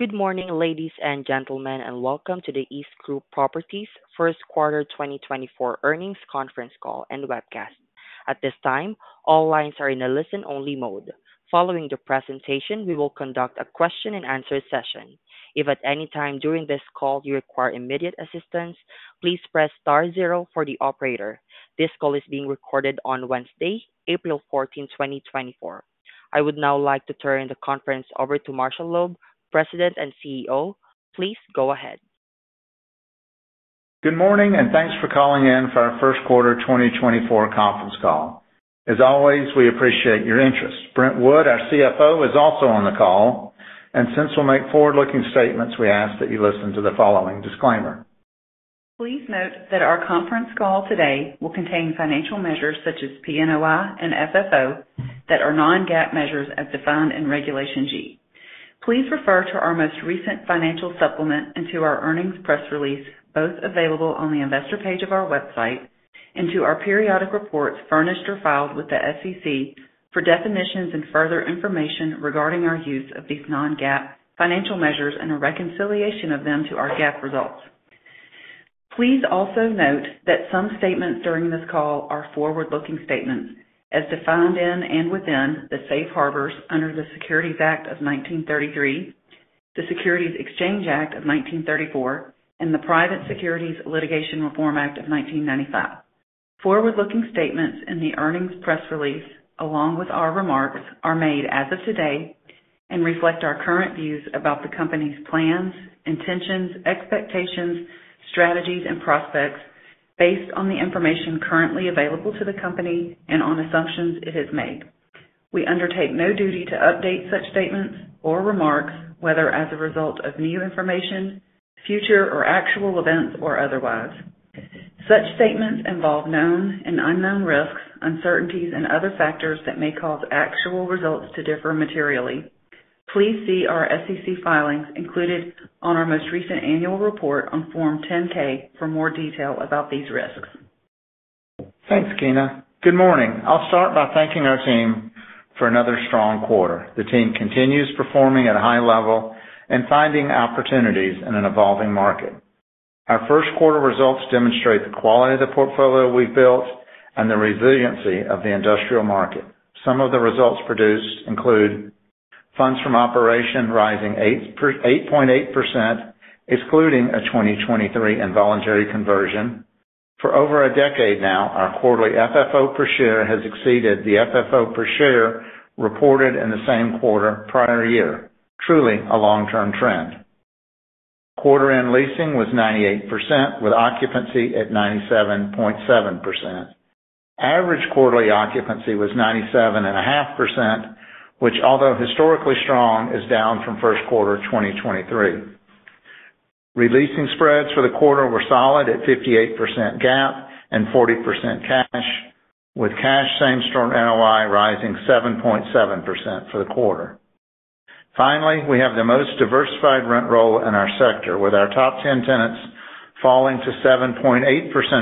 Good morning, ladies and gentlemen, and welcome to the EastGroup Properties first quarter 2024 earnings conference call and webcast. At this time, all lines are in a listen-only mode. Following the presentation, we will conduct a question-and-answer session. If at any time during this call you require immediate assistance, please press star zero for the operator. This call is being recorded on Wednesday, April fourteenth, 2024. I would now like to turn the conference over to Marshall Loeb, President and CEO. Please go ahead. Good morning, and thanks for calling in for our first quarter 2024 conference call. As always, we appreciate your interest. Brent Wood, our CFO, is also on the call, and since we'll make forward-looking statements, we ask that you listen to the following disclaimer. Please note that our conference call today will contain financial measures such as PNOI and FFO that are non-GAAP measures as defined in Regulation G. Please refer to our most recent financial supplement and to our earnings press release, both available on the Investor page of our website, and to our periodic reports furnished or filed with the SEC for definitions and further information regarding our use of these non-GAAP financial measures and a reconciliation of them to our GAAP results. Please also note that some statements during this call are forward-looking statements, as defined in and within the safe harbors under the Securities Act of 1933, the Securities Exchange Act of 1934, and the Private Securities Litigation Reform Act of 1995. Forward-looking statements in the earnings press release, along with our remarks, are made as of today and reflect our current views about the company's plans, intentions, expectations, strategies, and prospects based on the information currently available to the company and on assumptions it has made. We undertake no duty to update such statements or remarks, whether as a result of new information, future or actual events, or otherwise. Such statements involve known and unknown risks, uncertainties, and other factors that may cause actual results to differ materially. Please see our SEC filings included on our most recent annual report on Form 10-K for more detail about these risks. Thanks, Keena. Good morning. I'll start by thanking our team for another strong quarter. The team continues performing at a high level and finding opportunities in an evolving market. Our first quarter results demonstrate the quality of the portfolio we've built and the resiliency of the industrial market. Some of the results produced include funds from operation rising 8.8%, excluding a 2023 involuntary conversion. For over a decade now, our quarterly FFO per share has exceeded the FFO per share reported in the same quarter prior year. Truly a long-term trend. Quarter end leasing was 98%, with occupancy at 97.7%. Average quarterly occupancy was 97.5%, which, although historically strong, is down from first quarter 2023. Releasing spreads for the quarter were solid at 58% GAAP and 40% cash, with cash same-store NOI rising 7.7% for the quarter. Finally, we have the most diversified rent roll in our sector, with our top 10 tenants falling to 7.8%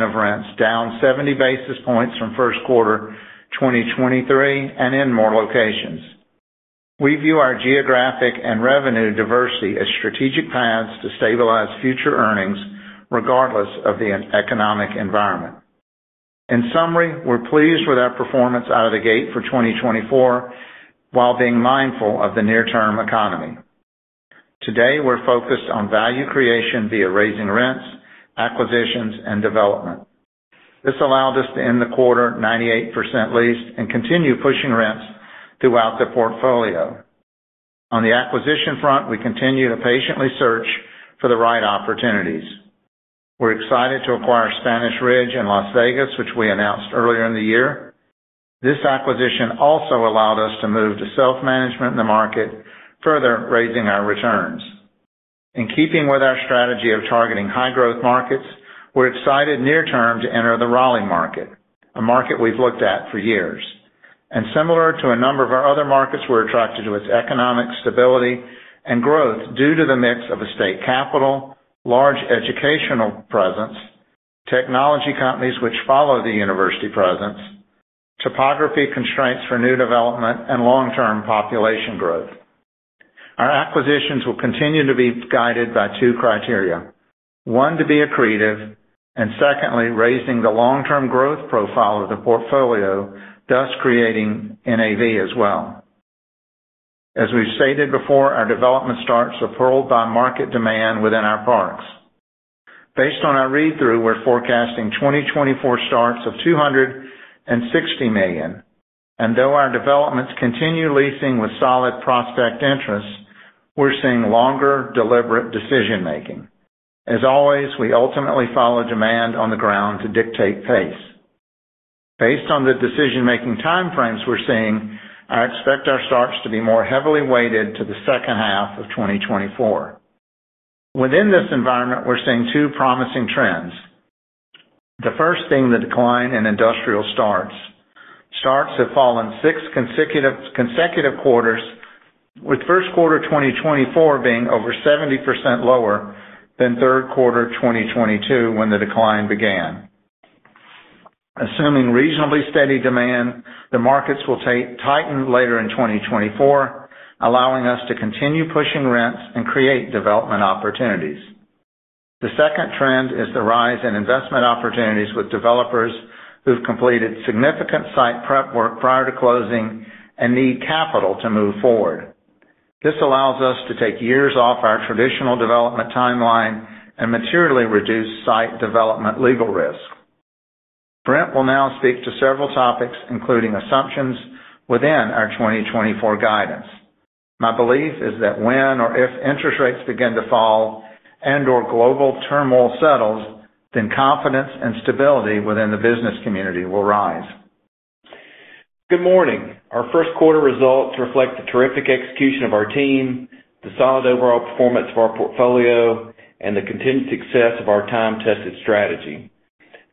of rents, down 70 basis points from first quarter 2023 and in more locations. We view our geographic and revenue diversity as strategic paths to stabilize future earnings, regardless of the economic environment. In summary, we're pleased with our performance out of the gate for 2024, while being mindful of the near-term economy. Today, we're focused on value creation via raising rents, acquisitions, and development. This allowed us to end the quarter 98% leased and continue pushing rents throughout the portfolio. On the acquisition front, we continue to patiently search for the right opportunities. We're excited to acquire Spanish Ridge in Las Vegas, which we announced earlier in the year. This acquisition also allowed us to move to self-management in the market, further raising our returns. In keeping with our strategy of targeting high-growth markets, we're excited near term to enter the Raleigh market, a market we've looked at for years. Similar to a number of our other markets, we're attracted to its economic stability and growth due to the mix of a state capital, large educational presence, technology companies which follow the university presence, topography constraints for new development, and long-term population growth. Our acquisitions will continue to be guided by two criteria. One, to be accretive, and secondly, raising the long-term growth profile of the portfolio, thus creating NAV as well. As we've stated before, our development starts are propelled by market demand within our parks. Based on our read-through, we're forecasting 2024 starts of $260 million, and though our developments continue leasing with solid prospect interest, we're seeing longer, deliberate decision making. As always, we ultimately follow demand on the ground to dictate pace. Based on the decision-making time frames we're seeing, I expect our starts to be more heavily weighted to the second half of 2024. Within this environment, we're seeing two promising trends. The first, seeing the decline in industrial starts. Starts have fallen 6 consecutive quarters, with first quarter 2024 being over 70% lower than third quarter 2022, when the decline began. Assuming reasonably steady demand, the markets will tighten later in 2024, allowing us to continue pushing rents and create development opportunities. The second trend is the rise in investment opportunities with developers who've completed significant site prep work prior to closing and need capital to move forward. This allows us to take years off our traditional development timeline and materially reduce site development legal risk. Brent will now speak to several topics, including assumptions within our 2024 guidance. My belief is that when or if interest rates begin to fall and/or global turmoil settles, then confidence and stability within the business community will rise. Good morning. Our first quarter results reflect the terrific execution of our team, the solid overall performance of our portfolio, and the continued success of our time-tested strategy.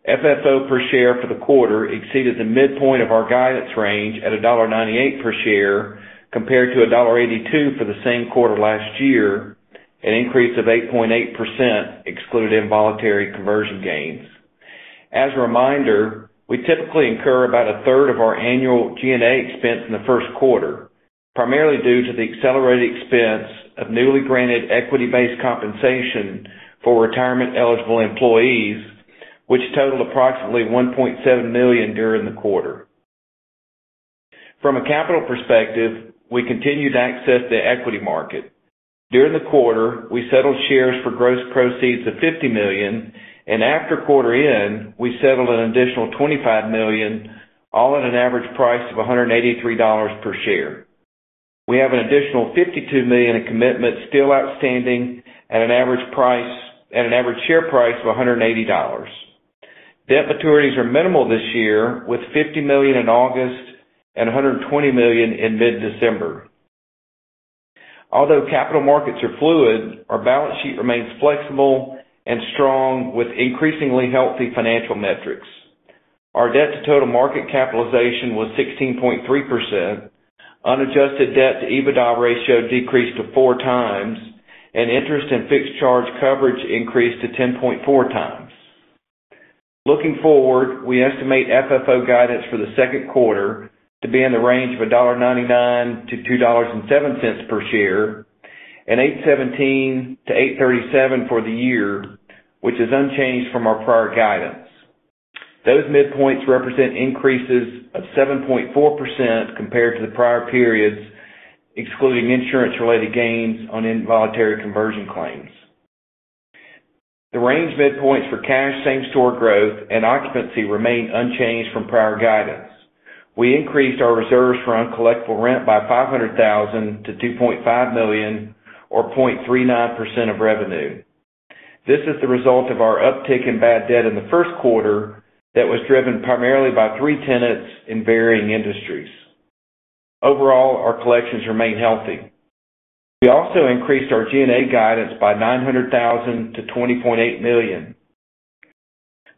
FFO per share for the quarter exceeded the midpoint of our guidance range at $1.98 per share, compared to $1.82 for the same quarter last year, an increase of 8.8%, excluding voluntary conversion gains. As a reminder, we typically incur about a third of our annual G&A expense in the first quarter, primarily due to the accelerated expense of newly granted equity-based compensation for retirement-eligible employees, which totaled approximately $1.7 million during the quarter. From a capital perspective, we continued to access the equity market. During the quarter, we settled shares for gross proceeds of $50 million, and after quarter end, we settled an additional $25 million, all at an average price of $183 per share. We have an additional $52 million in commitments still outstanding at an average share price of $180. Debt maturities are minimal this year, with $50 million in August and $120 million in mid-December. Although capital markets are fluid, our balance sheet remains flexible and strong, with increasingly healthy financial metrics. Our debt to total market capitalization was 16.3%. Unadjusted debt to EBITDA ratio decreased to 4 times, and interest and fixed charge coverage increased to 10.4x. Looking forward, we estimate FFO guidance for the second quarter to be in the range of $1.99-$2.07 per share, and $8.17-$8.37 for the year, which is unchanged from our prior guidance. Those midpoints represent increases of 7.4% compared to the prior periods, excluding insurance-related gains on involuntary conversion claims. The range midpoints for cash same-store growth and occupancy remain unchanged from prior guidance. We increased our reserves for uncollectible rent by $500,000 to $2.5 million, or 0.39% of revenue. This is the result of our uptick in bad debt in the first quarter that was driven primarily by three tenants in varying industries. Overall, our collections remain healthy. We also increased our G&A guidance by $900,000 to $20.8 million.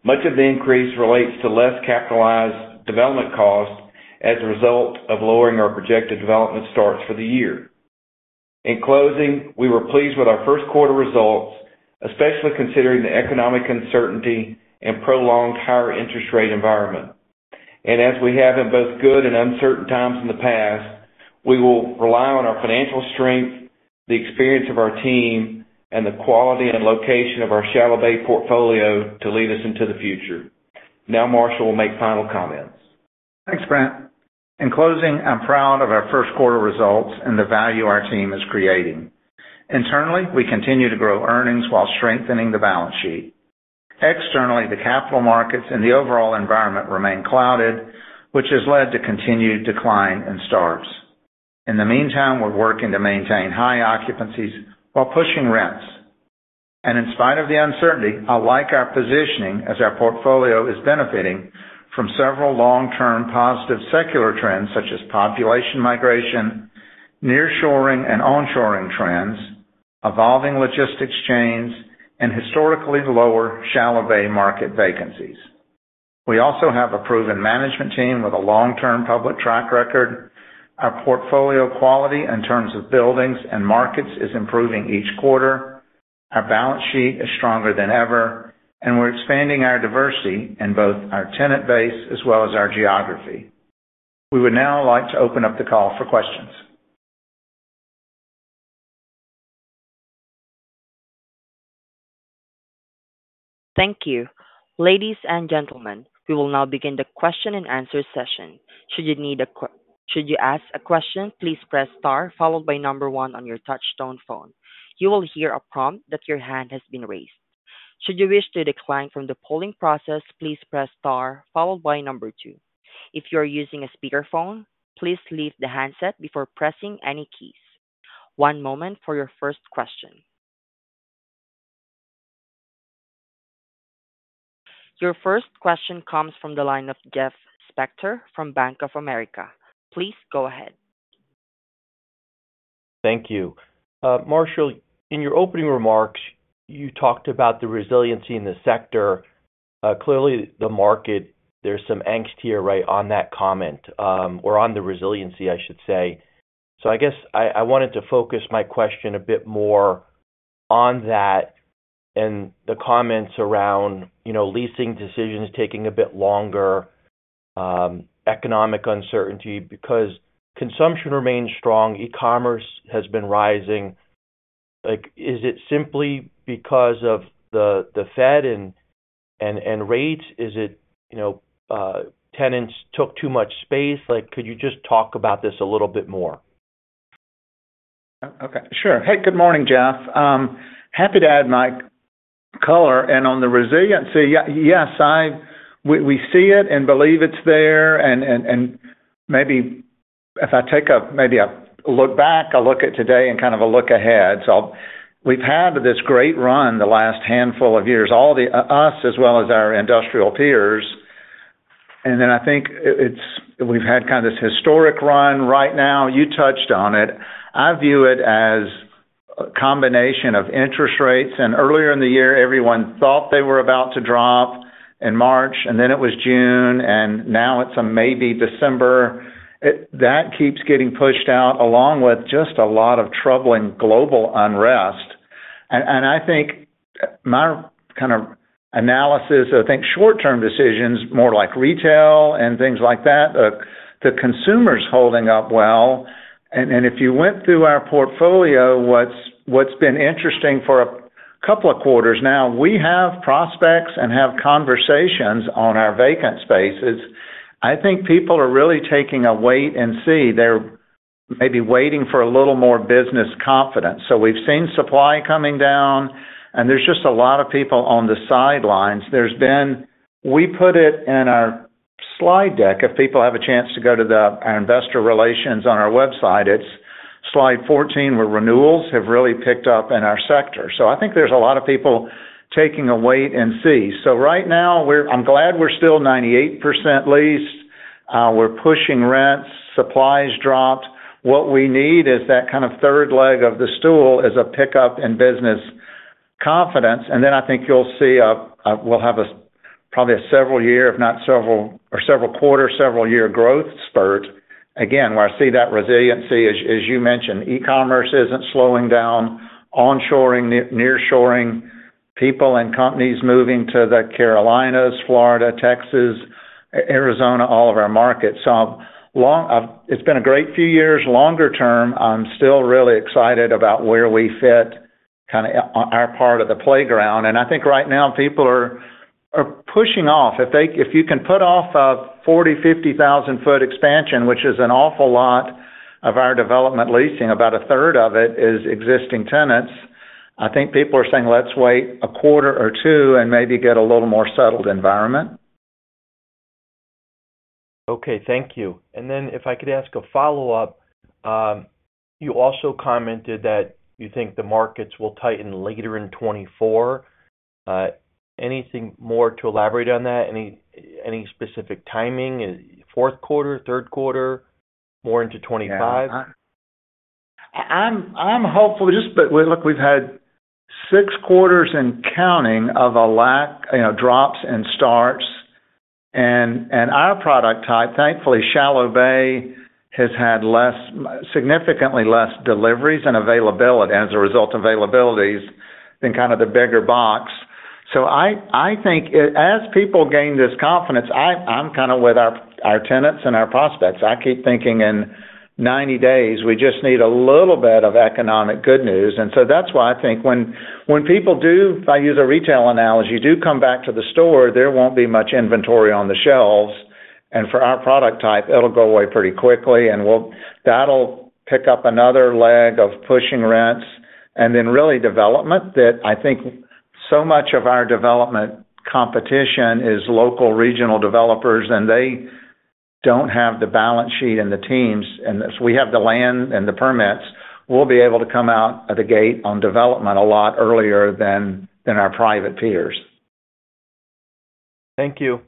Much of the increase relates to less capitalized development costs as a result of lowering our projected development starts for the year. In closing, we were pleased with our first quarter results, especially considering the economic uncertainty and prolonged higher interest rate environment. As we have in both good and uncertain times in the past, we will rely on our financial strength, the experience of our team, and the quality and location of our shallow bay portfolio to lead us into the future. Now Marshall will make final comments. Thanks, Brent. In closing, I'm proud of our first quarter results and the value our team is creating. Internally, we continue to grow earnings while strengthening the balance sheet. Externally, the capital markets and the overall environment remain clouded, which has led to continued decline in starts. In the meantime, we're working to maintain high occupancies while pushing rents. In spite of the uncertainty, I like our positioning as our portfolio is benefiting from several long-term positive secular trends, such as population migration, nearshoring and onshoring trends, evolving logistics chains, and historically lower shallow bay market vacancies. We also have a proven management team with a long-term public track record. Our portfolio quality in terms of buildings and markets is improving each quarter. Our balance sheet is stronger than ever, and we're expanding our diversity in both our tenant base as well as our geography. We would now like to open up the call for questions. Thank you. Ladies and gentlemen, we will now begin the question-and-answer session. Should you ask a question, please press star followed by one on your touchtone phone. You will hear a prompt that your hand has been raised. Should you wish to decline from the polling process, please press star followed by two. If you are using a speakerphone, please leave the handset before pressing any keys. One moment for your first question. Your first question comes from the line of Jeff Spector from Bank of America. Please go ahead. Thank you. Marshall, in your opening remarks, you talked about the resiliency in the sector. Clearly, the market, there's some angst here, right, on that comment, or on the resiliency, I should say. So I guess I wanted to focus my question a bit more on that and the comments around, you know, leasing decisions taking a bit longer, economic uncertainty, because consumption remains strong, e-commerce has been rising. Like, is it simply because of the Fed and rates? Is it, you know, tenants took too much space? Like, could you just talk about this a little bit more? Okay, sure. Hey, good morning, Jeff. Happy to add my color. And on the resiliency, yeah, yes, we, we see it and believe it's there, and maybe if I take a look back, a look at today and kind of a look ahead. So we've had this great run the last handful of years, all the us, as well as our industrial peers. And then I think it, it's we've had kind of this historic run right now. You touched on it. I view it as a combination of interest rates, and earlier in the year, everyone thought they were about to drop in March, and then it was June, and now it's maybe December. That keeps getting pushed out, along with just a lot of troubling global unrest. And I think, my kind of analysis, I think short-term decisions, more like retail and things like that, the consumer is holding up well. And if you went through our portfolio, what's been interesting for a couple of quarters now, we have prospects and have conversations on our vacant spaces. I think people are really taking a wait and see. They're maybe waiting for a little more business confidence. So we've seen supply coming down, and there's just a lot of people on the sidelines. There's been. We put it in our slide deck. If people have a chance to go to our investor relations on our website, it's slide 14, where renewals have really picked up in our sector. So I think there's a lot of people taking a wait and see. So right now, we're. I'm glad we're still 98% leased. We're pushing rents. Supplies dropped. What we need is that kind of third leg of the stool is a pickup in business confidence, and then I think you'll see a, we'll have a, probably a several year, if not several quarter, several year growth spurt. Again, where I see that resiliency, as you mentioned, e-commerce isn't slowing down, onshoring, nearshoring, people and companies moving to the Carolinas, Florida, Texas, Arizona, all of our markets. So long, it's been a great few years. Longer term, I'm still really excited about where we fit, kind of, our part of the playground, and I think right now people are pushing off. If you can put off a 40- to 50,000-foot expansion, which is an awful lot of our development leasing, about a third of it is existing tenants, I think people are saying, "Let's wait a quarter or two and maybe get a little more settled environment. Okay, thank you. Then if I could ask a follow-up. You also commented that you think the markets will tighten later in 2024. Anything more to elaborate on that? Any specific timing? Fourth quarter, third quarter, more into 2025? Yeah. I'm hopeful. Look, we've had 6 quarters and counting of a lack, you know, fits and starts. And our product type, thankfully, shallow bay, has had significantly less deliveries and, as a result, availabilities than kind of the bigger box. So I think as people gain this confidence, I'm kind of with our tenants and our prospects. I keep thinking in 90 days, we just need a little bit of economic good news. And so that's why I think when people do, if I use a retail analogy, come back to the store, there won't be much inventory on the shelves. For our product type, it'll go away pretty quickly, and we'll. That'll pick up another leg of pushing rents and then really development, that I think so much of our development competition is local, regional developers, and they don't have the balance sheet and the teams. As we have the land and the permits, we'll be able to come out of the gate on development a lot earlier than, than our private peers. Thank you.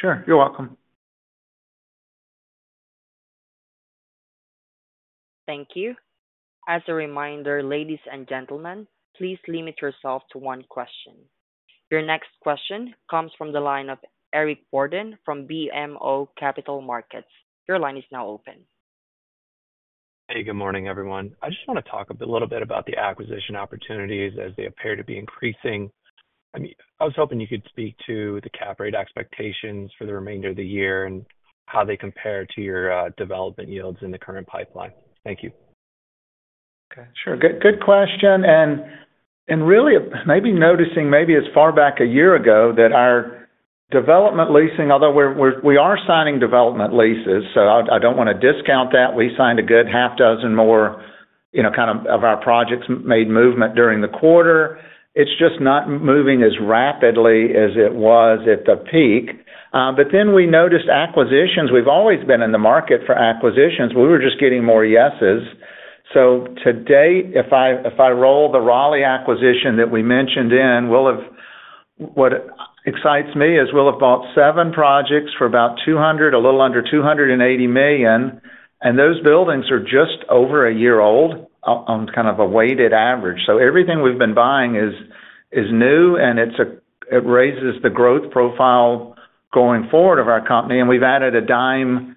Sure. You're welcome. Thank you. As a reminder, ladies and gentlemen, please limit yourself to one question. Your next question comes from the line of Eric Borden from BMO Capital Markets. Your line is now open. Hey, good morning, everyone. I just want to talk a little bit about the acquisition opportunities as they appear to be increasing. I mean, I was hoping you could speak to the cap rate expectations for the remainder of the year and how they compare to your development yields in the current pipeline. Thank you. Okay, sure. Good, good question, and really noticing as far back a year ago, that our development leasing, although we're—we are signing development leases, so I don't want to discount that. We signed a good 6 more, you know, kind of, of our projects made movement during the quarter. It's just not moving as rapidly as it was at the peak. But then we noticed acquisitions. We've always been in the market for acquisitions. We were just getting more yeses. So to date, if I roll the Raleigh acquisition that we mentioned in, we'll have... What excites me is we'll have bought 7 projects for about $200 million, a little under $280 million, and those buildings are just over a year old on kind of a weighted average. So everything we've been buying is new, and it's a, it raises the growth profile going forward of our company, and we've added $0.10,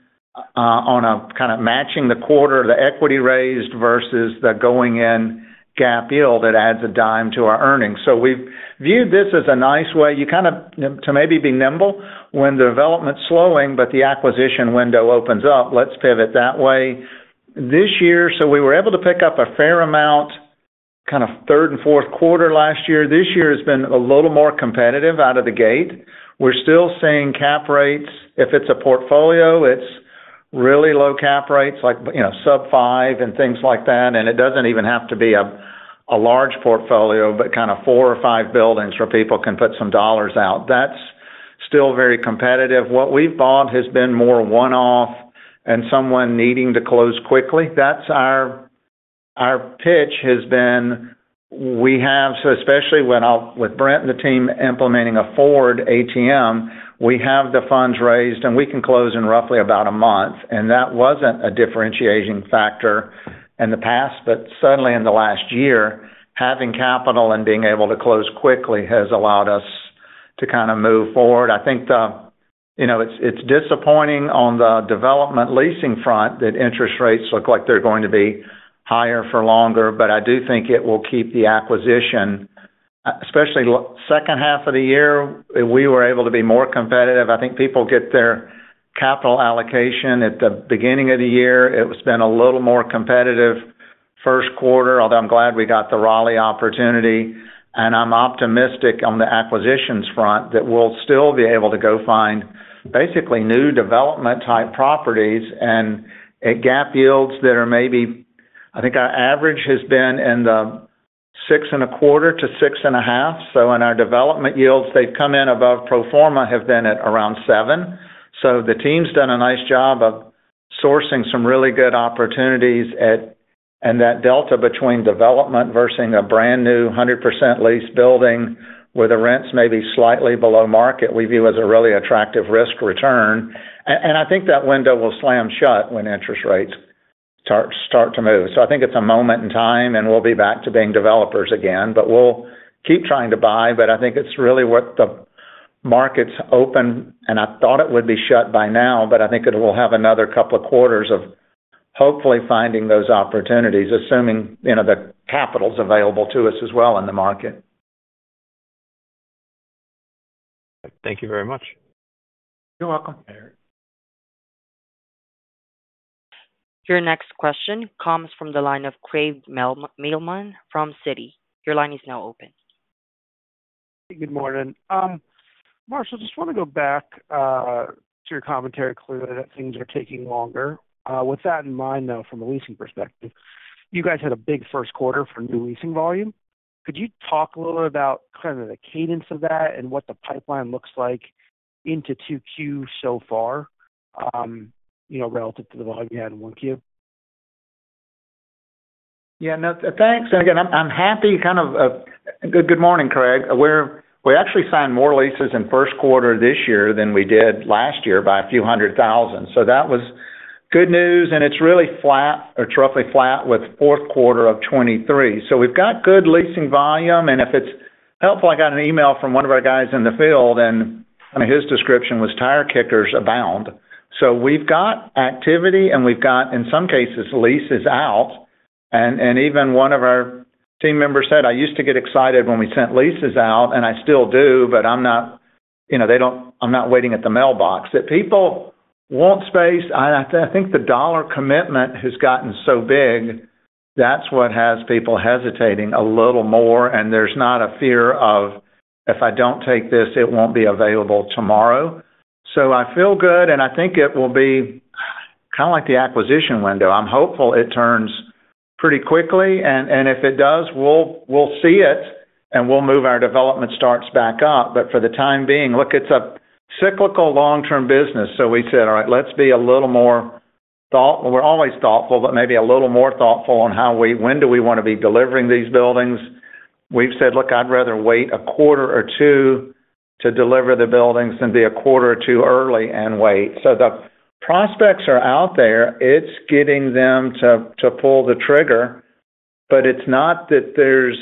on a kind of matching the quarter, the equity raised versus the going in gap yield, it adds $0.10 to our earnings. So we've viewed this as a nice way. You kind of, to maybe be nimble when the development's slowing, but the acquisition window opens up, let's pivot that way. This year, so we were able to pick up a fair amount, kind of third and fourth quarter last year. This year has been a little more competitive out of the gate. We're still seeing cap rates. If it's a portfolio, it's really low cap rates, like, you know, sub-5 and things like that, and it doesn't even have to be a large portfolio, but kind of four or five buildings where people can put some dollars out. That's still very competitive. What we've bought has been more one-off and someone needing to close quickly. That's our... Our pitch has been, we have, so especially when I'll with Brent and the team implementing a forward ATM, we have the funds raised, and we can close in roughly about a month, and that wasn't a differentiating factor in the past, but suddenly in the last year, having capital and being able to close quickly has allowed us to kind of move forward. I think, you know, it's, it's disappointing on the development leasing front, that interest rates look like they're going to be higher for longer, but I do think it will keep the acquisition, especially second half of the year, we were able to be more competitive. I think people get their capital allocation at the beginning of the year. It's been a little more competitive first quarter, although I'm glad we got the Raleigh opportunity, and I'm optimistic on the acquisitions front, that we'll still be able to go find basically new development type properties and at cap yields that are maybe... I think our average has been in the 6.25-6.5. So in our development yields, they've come in above pro forma, have been at around 7. So the team's done a nice job of sourcing some really good opportunities and that delta between development versus a brand new 100% leased building, where the rents may be slightly below market, we view as a really attractive risk return. And I think that window will slam shut when interest rates start to move. So I think it's a moment in time, and we'll be back to being developers again, but we'll keep trying to buy, but I think it's really what the market's open, and I thought it would be shut by now, but I think it will have another couple of quarters of hopefully finding those opportunities, assuming, you know, the capital's available to us as well in the market. Thank you very much. You're welcome, Eric. Your next question comes from the line of Craig Mailman from Citi. Your line is now open. Good morning. Marshall, just want to go back to your commentary, clear that things are taking longer. With that in mind, though, from a leasing perspective, you guys had a big first quarter for new leasing volume. Could you talk a little bit about kind of the cadence of that and what the pipeline looks like into 2Q so far, you know, relative to the volume you had in 1Q? Yeah, no, thanks. Again, I'm happy to kind of... Good morning, Craig. We actually signed more leases in first quarter this year than we did last year by a few hundred thousand. So that was good news, and it's really flat or roughly flat with fourth quarter of 2023. So we've got good leasing volume, and if it's helpful, I got an email from one of our guys in the field, and I mean, his description was tire kickers abound. So we've got activity, and we've got, in some cases, leases out. And even one of our team members said, "I used to get excited when we sent leases out, and I still do, but you know, they don't. I'm not waiting at the mailbox." That people want space. I think the dollar commitment has gotten so big, that's what has people hesitating a little more, and there's not a fear of, "If I don't take this, it won't be available tomorrow." So I feel good, and I think it will be kind of like the acquisition window. I'm hopeful it turns pretty quickly, and if it does, we'll see it, and we'll move our development starts back up. But for the time being, look, it's a cyclical long-term business, so we said, "All right, let's be a little more thoughtful." We're always thoughtful, but maybe a little more thoughtful on how we, when do we want to be delivering these buildings. We've said, "Look, I'd rather wait a quarter or two to deliver the buildings than be a quarter or two early and wait." So the prospects are out there. It's getting them to pull the trigger, but it's not that there's...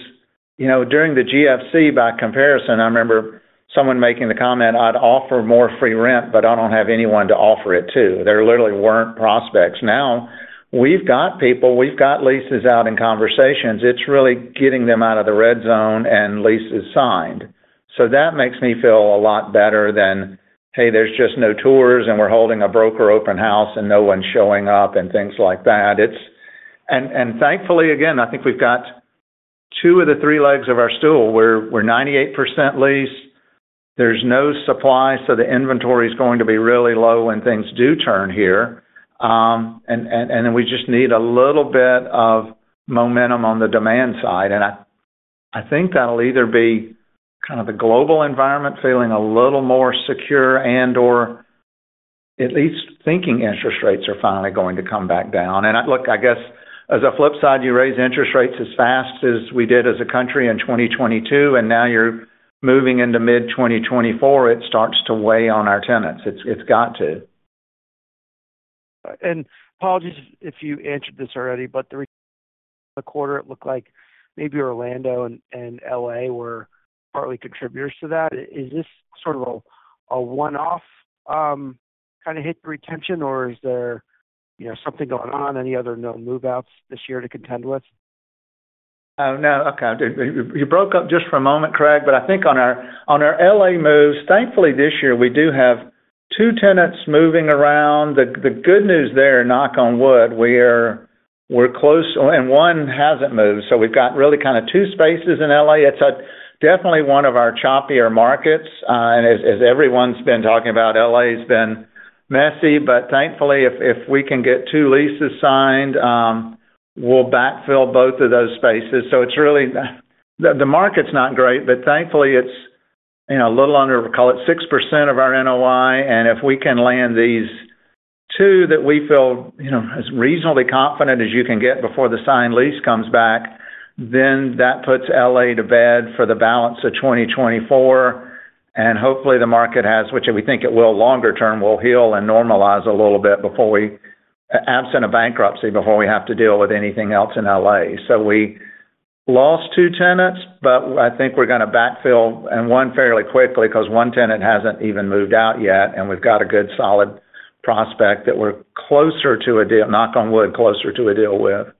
You know, during the GFC, by comparison, I remember someone making the comment, "I'd offer more free rent, but I don't have anyone to offer it to." There literally weren't prospects. Now, we've got people, we've got leases out in conversations. It's really getting them out of the red zone and leases signed. So that makes me feel a lot better than, "Hey, there's just no tours, and we're holding a broker open house, and no one's showing up," and things like that. And thankfully, again, I think we've got two of the three legs of our stool. We're 98% leased. There's no supply, so the inventory is going to be really low when things do turn here. And we just need a little bit of momentum on the demand side. And I think that'll either be kind of the global environment feeling a little more secure and/or at least thinking interest rates are finally going to come back down. And look, I guess as a flip side, you raise interest rates as fast as we did as a country in 2022, and now you're moving into mid-2024, it starts to weigh on our tenants. It's got to. Apologies if you answered this already, but the quarter, it looked like maybe Orlando and L.A. were partly contributors to that. Is this sort of a one-off kind of hit retention, or is there, you know, something going on, any other known move-outs this year to contend with? No. Okay, you broke up just for a moment, Craig, but I think on our, on our L.A. moves, thankfully, this year, we do have two tenants moving around. The, the good news there, knock on wood, we're, we're close, and one hasn't moved. So we've got really kind of two spaces in L.A. It's definitely one of our choppier markets. And as everyone's been talking about, L.A.'s been messy, but thankfully, if we can get two leases signed, we'll backfill both of those spaces. So it's really... The market's not great, but thankfully, it's, you know, a little under, call it 6% of our NOI, and if we can land these two that we feel, you know, as reasonably confident as you can get before the signed lease comes back, then that puts L.A. to bed for the balance of 2024. And hopefully, the market has, which we think it will, longer term, will heal and normalize a little bit before we, absent a bankruptcy, before we have to deal with anything else in L.A. So we lost two tenants, but I think we're gonna backfill, and one fairly quickly, 'cause one tenant hasn't even moved out yet, and we've got a good solid prospect that we're closer to a deal, knock on wood, closer to a deal with.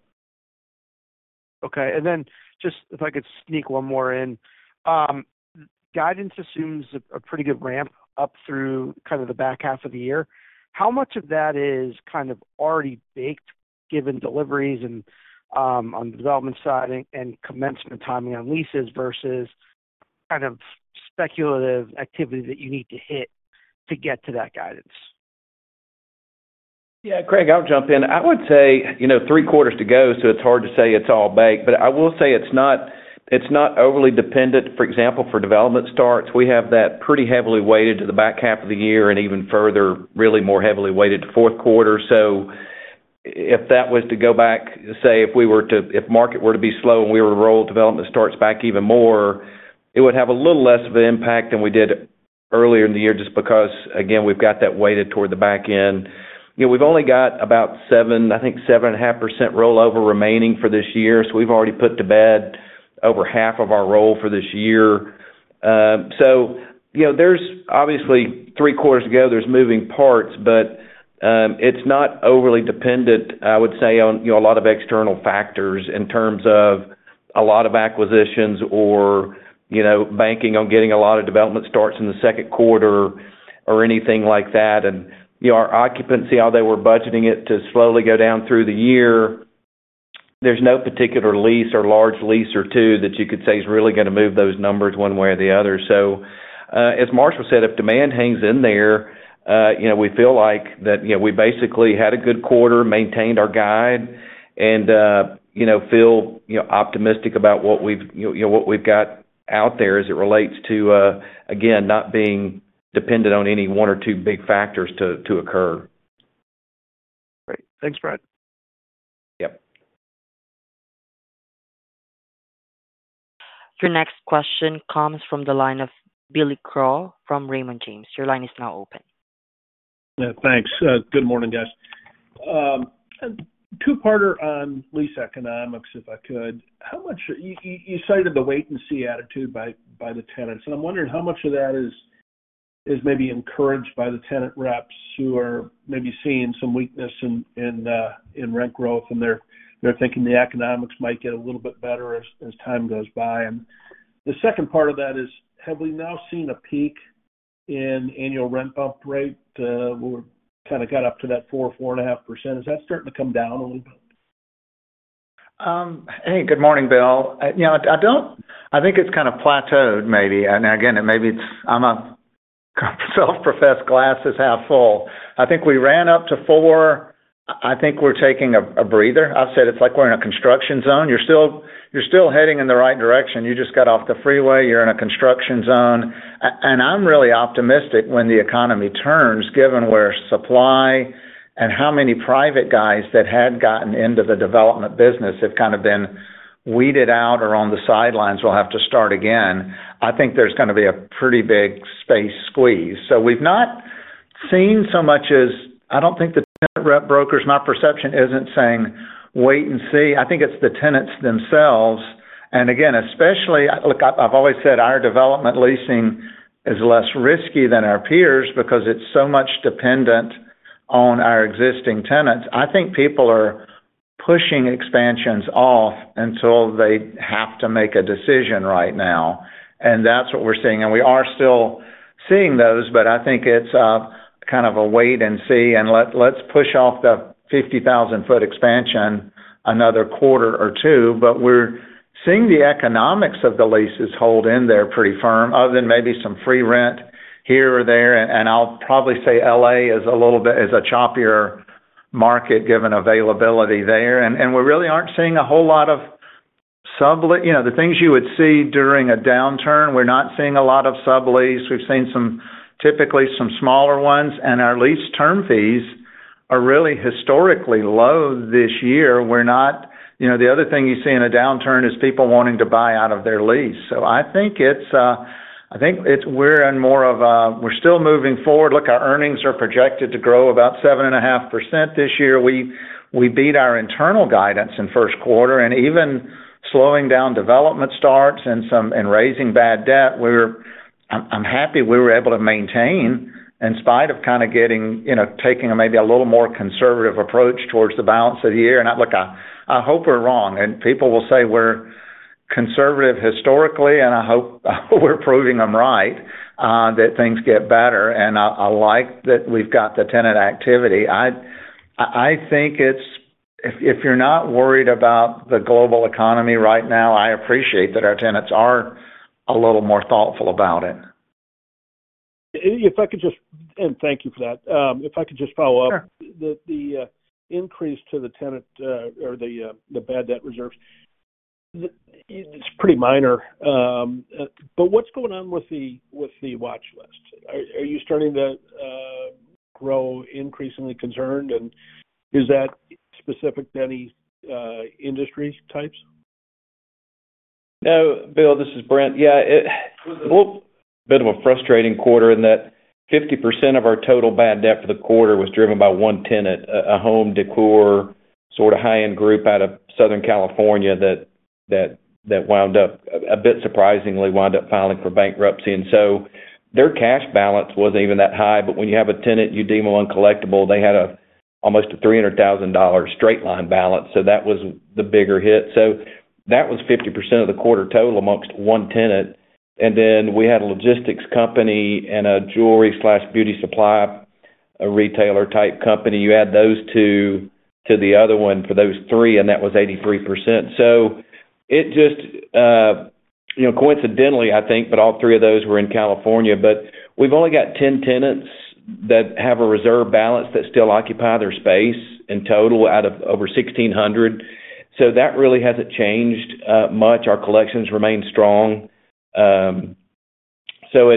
Okay. And then, just if I could sneak one more in. Guidance assumes a pretty good ramp up through kind of the back half of the year. How much of that is kind of already baked, given deliveries and, on the development side and, commencement timing on leases versus kind of speculative activity that you need to hit to get to that guidance? Yeah, Craig, I'll jump in. I would say, you know, three quarters to go, so it's hard to say it's all baked, but I will say it's not, it's not overly dependent. For example, for development starts, we have that pretty heavily weighted to the back half of the year and even further, really more heavily weighted to fourth quarter. So if that was to go back, say, if market were to be slow and we were to roll development starts back even more, it would have a little less of an impact than we did earlier in the year, just because, again, we've got that weighted toward the back end. You know, we've only got about seven, I think, 7.5% rollover remaining for this year, so we've already put to bed over half of our roll for this year. So, you know, there's obviously three quarters to go, there's moving parts, but it's not overly dependent, I would say, on, you know, a lot of external factors in terms of a lot of acquisitions or, you know, banking on getting a lot of development starts in the second quarter or anything like that. And, you know, our occupancy, although we're budgeting it to slowly go down through the year, there's no particular lease or large lease or two that you could say is really gonna move those numbers one way or the other. So, as Marshall said, if demand hangs in there, you know, we feel like that, you know, we basically had a good quarter, maintained our guide, and, you know, feel, you know, optimistic about what we've, you know, what we've got out there as it relates to, again, not being dependent on any one or two big factors to occur. Great. Thanks, Brent. Yep. Your next question comes from the line of Bill Crow from Raymond James. Your line is now open. Yeah, thanks. Good morning, guys. A two-parter on lease economics, if I could. How much you cited the wait and see attitude by, by the tenants, and I'm wondering how much of that is, is maybe encouraged by the tenant reps, who are maybe seeing some weakness in, in, in rent growth, and they're, they're thinking the economics might get a little bit better as, as time goes by. And the second part of that is, have we now seen a peak in annual rent bump rate? We kind of got up to that 4%-4.5%. Is that starting to come down a little bit? Hey, good morning, Bill. You know, I don't I think it's kind of plateaued maybe. And again, it maybe it's. I'm a self-professed glass is half full. I think we ran up to 4. I think we're taking a breather. I've said it's like we're in a construction zone. You're still heading in the right direction. You just got off the freeway, you're in a construction zone. And I'm really optimistic when the economy turns, given where supply and how many private guys that had gotten into the development business have kind of been weeded out or on the sidelines, will have to start again. I think there's gonna be a pretty big space squeeze. So we've not seen so much as... I don't think the tenant rep brokers, my perception isn't saying wait and see. I think it's the tenants themselves, and again, especially, look, I've always said our development leasing is less risky than our peers because it's so much dependent on our existing tenants. I think people are pushing expansions off until they have to make a decision right now, and that's what we're seeing. And we are still seeing those, but I think it's kind of a wait and see, and let's push off the 50,000-foot expansion another quarter or two. But we're seeing the economics of the leases hold in there pretty firm, other than maybe some free rent here or there. And I'll probably say L.A. is a little bit, is a choppier market, given availability there. And we really aren't seeing a whole lot of sublet. You know, the things you would see during a downturn, we're not seeing a lot of sublease. We've seen some, typically some smaller ones, and our lease term fees are really historically low this year. We're not... You know, the other thing you see in a downturn is people wanting to buy out of their lease. So I think it's we're in more of a, we're still moving forward. Look, our earnings are projected to grow about 7.5% this year. We beat our internal guidance in first quarter, and even slowing down development starts and raising bad debt, we're happy we were able to maintain, in spite of kind of getting, you know, taking maybe a little more conservative approach towards the balance of the year. And look, I hope we're wrong, and people will say we're conservative historically, and I hope we're proving them right that things get better. And I like that we've got the tenant activity. I think it's, if you're not worried about the global economy right now, I appreciate that our tenants are a little more thoughtful about it. If I could just... thank you for that. If I could just follow up. Sure. The increase to the tenant or the bad debt reserves. It's pretty minor. But what's going on with the watchlist? Are you starting to grow increasingly concerned, and is that specific to any industry types? No, Bill, this is Brent. Yeah, a bit of a frustrating quarter in that 50% of our total bad debt for the quarter was driven by one tenant, a home decor, sort of high-end group out of Southern California, that wound up... A bit surprisingly, wound up filing for bankruptcy. And so their cash balance wasn't even that high, but when you have a tenant you deem uncollectible, they had almost a $300,000 straight-line balance, so that was the bigger hit. So that was 50% of the quarter total amongst one tenant. And then we had a logistics company and a jewelry/beauty supply, a retailer-type company. You add those two to the other one for those three, and that was 83%. So it just, you know, coincidentally, I think, but all three of those were in California. But we've only got 10 tenants that have a reserve balance that still occupy their space in total, out of over 1,600. So that really hasn't changed, much. Our collections remain strong. So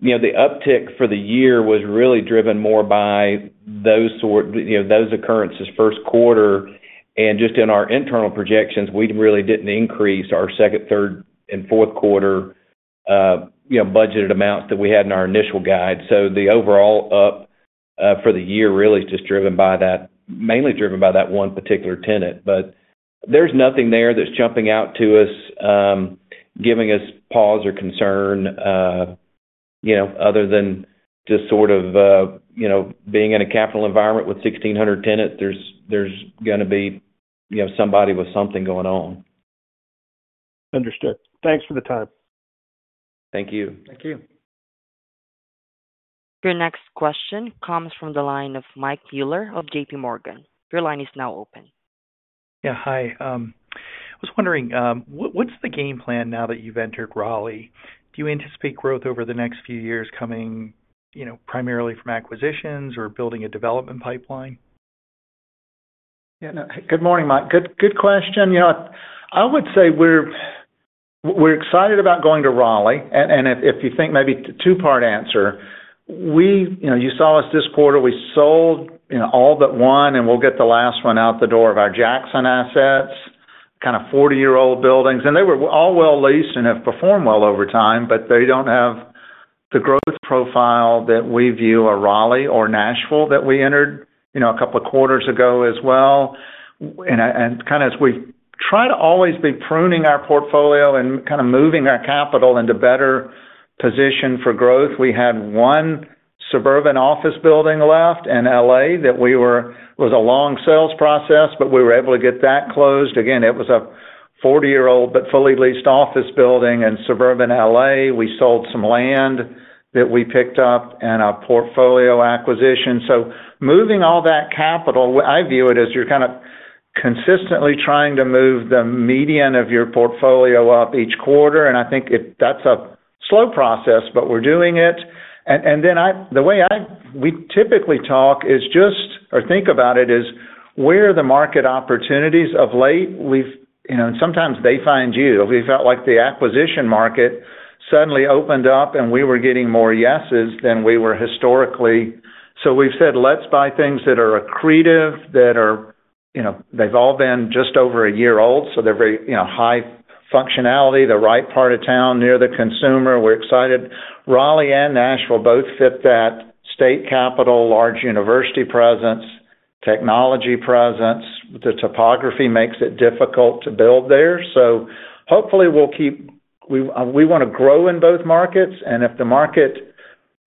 you know, the uptick for the year was really driven more by those sort, you know, those occurrences first quarter, and just in our internal projections, we really didn't increase our second, third, and fourth quarter, you know, budgeted amounts that we had in our initial guide. So the overall up, for the year really is just driven by that, mainly driven by that one particular tenant. But there's nothing there that's jumping out to us, giving us pause or concern, you know, other than just sort of, you know, being in a capital environment with 1,600 tenants, there's gonna be, you know, somebody with something going on. Understood. Thanks for the time. Thank you. Thank you. Your next question comes from the line of Mike Mueller of JPMorgan. Your line is now open. Yeah, hi. Was wondering, what's the game plan now that you've entered Raleigh? Do you anticipate growth over the next few years coming, you know, primarily from acquisitions or building a development pipeline? Yeah. Good morning, Mike. Good, good question. You know, I would say we're, we're excited about going to Raleigh, and, and if, if you think maybe a two-part answer, we... You know, you saw us this quarter, we sold, you know, all but one, and we'll get the last one out the door of our Jackson assets, kind of 40-year-old buildings. And they were all well leased and have performed well over time, but they don't have the growth profile that we view a Raleigh or Nashville, that we entered, you know, a couple of quarters ago as well. And, and kind of as we try to always be pruning our portfolio and kind of moving our capital into better position for growth, we had one suburban office building left in L.A. that we were, was a long sales process, but we were able to get that closed. Again, it was a 40-year-old but fully leased office building in suburban L.A. We sold some land that we picked up and a portfolio acquisition. So moving all that capital, what I view it, is you're kind of consistently trying to move the median of your portfolio up each quarter, and I think it, that's a slow process, but we're doing it. And, and then I, the way I, we typically talk is just, or think about it, is where are the market opportunities of late? We've, you know, sometimes they find you. We felt like the acquisition market suddenly opened up, and we were getting more yeses than we were historically. So we've said, let's buy things that are accretive, that are, you know, they've all been just over a year old, so they're very, you know, high functionality, the right part of town, near the consumer. We're excited. Raleigh and Nashville both fit that state capital, large university presence, technology presence. The topography makes it difficult to build there. So hopefully, we'll keep, we wanna grow in both markets, and if the market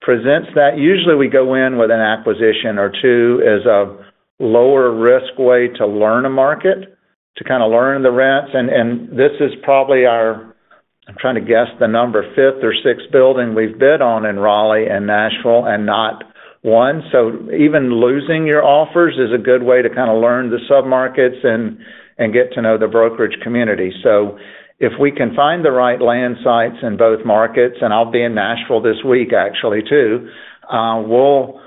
presents that, usually we go in with an acquisition or two as a lower risk way to learn a market, to kind of learn the rents. And, and this is probably our... I'm trying to guess the number, fifth or sixth building we've bid on in Raleigh and Nashville and not one. So even losing your offers is a good way to kind of learn the submarkets and, and get to know the brokerage community. So if we can find the right land sites in both markets, and I'll be in Nashville this week, actually, too, we'll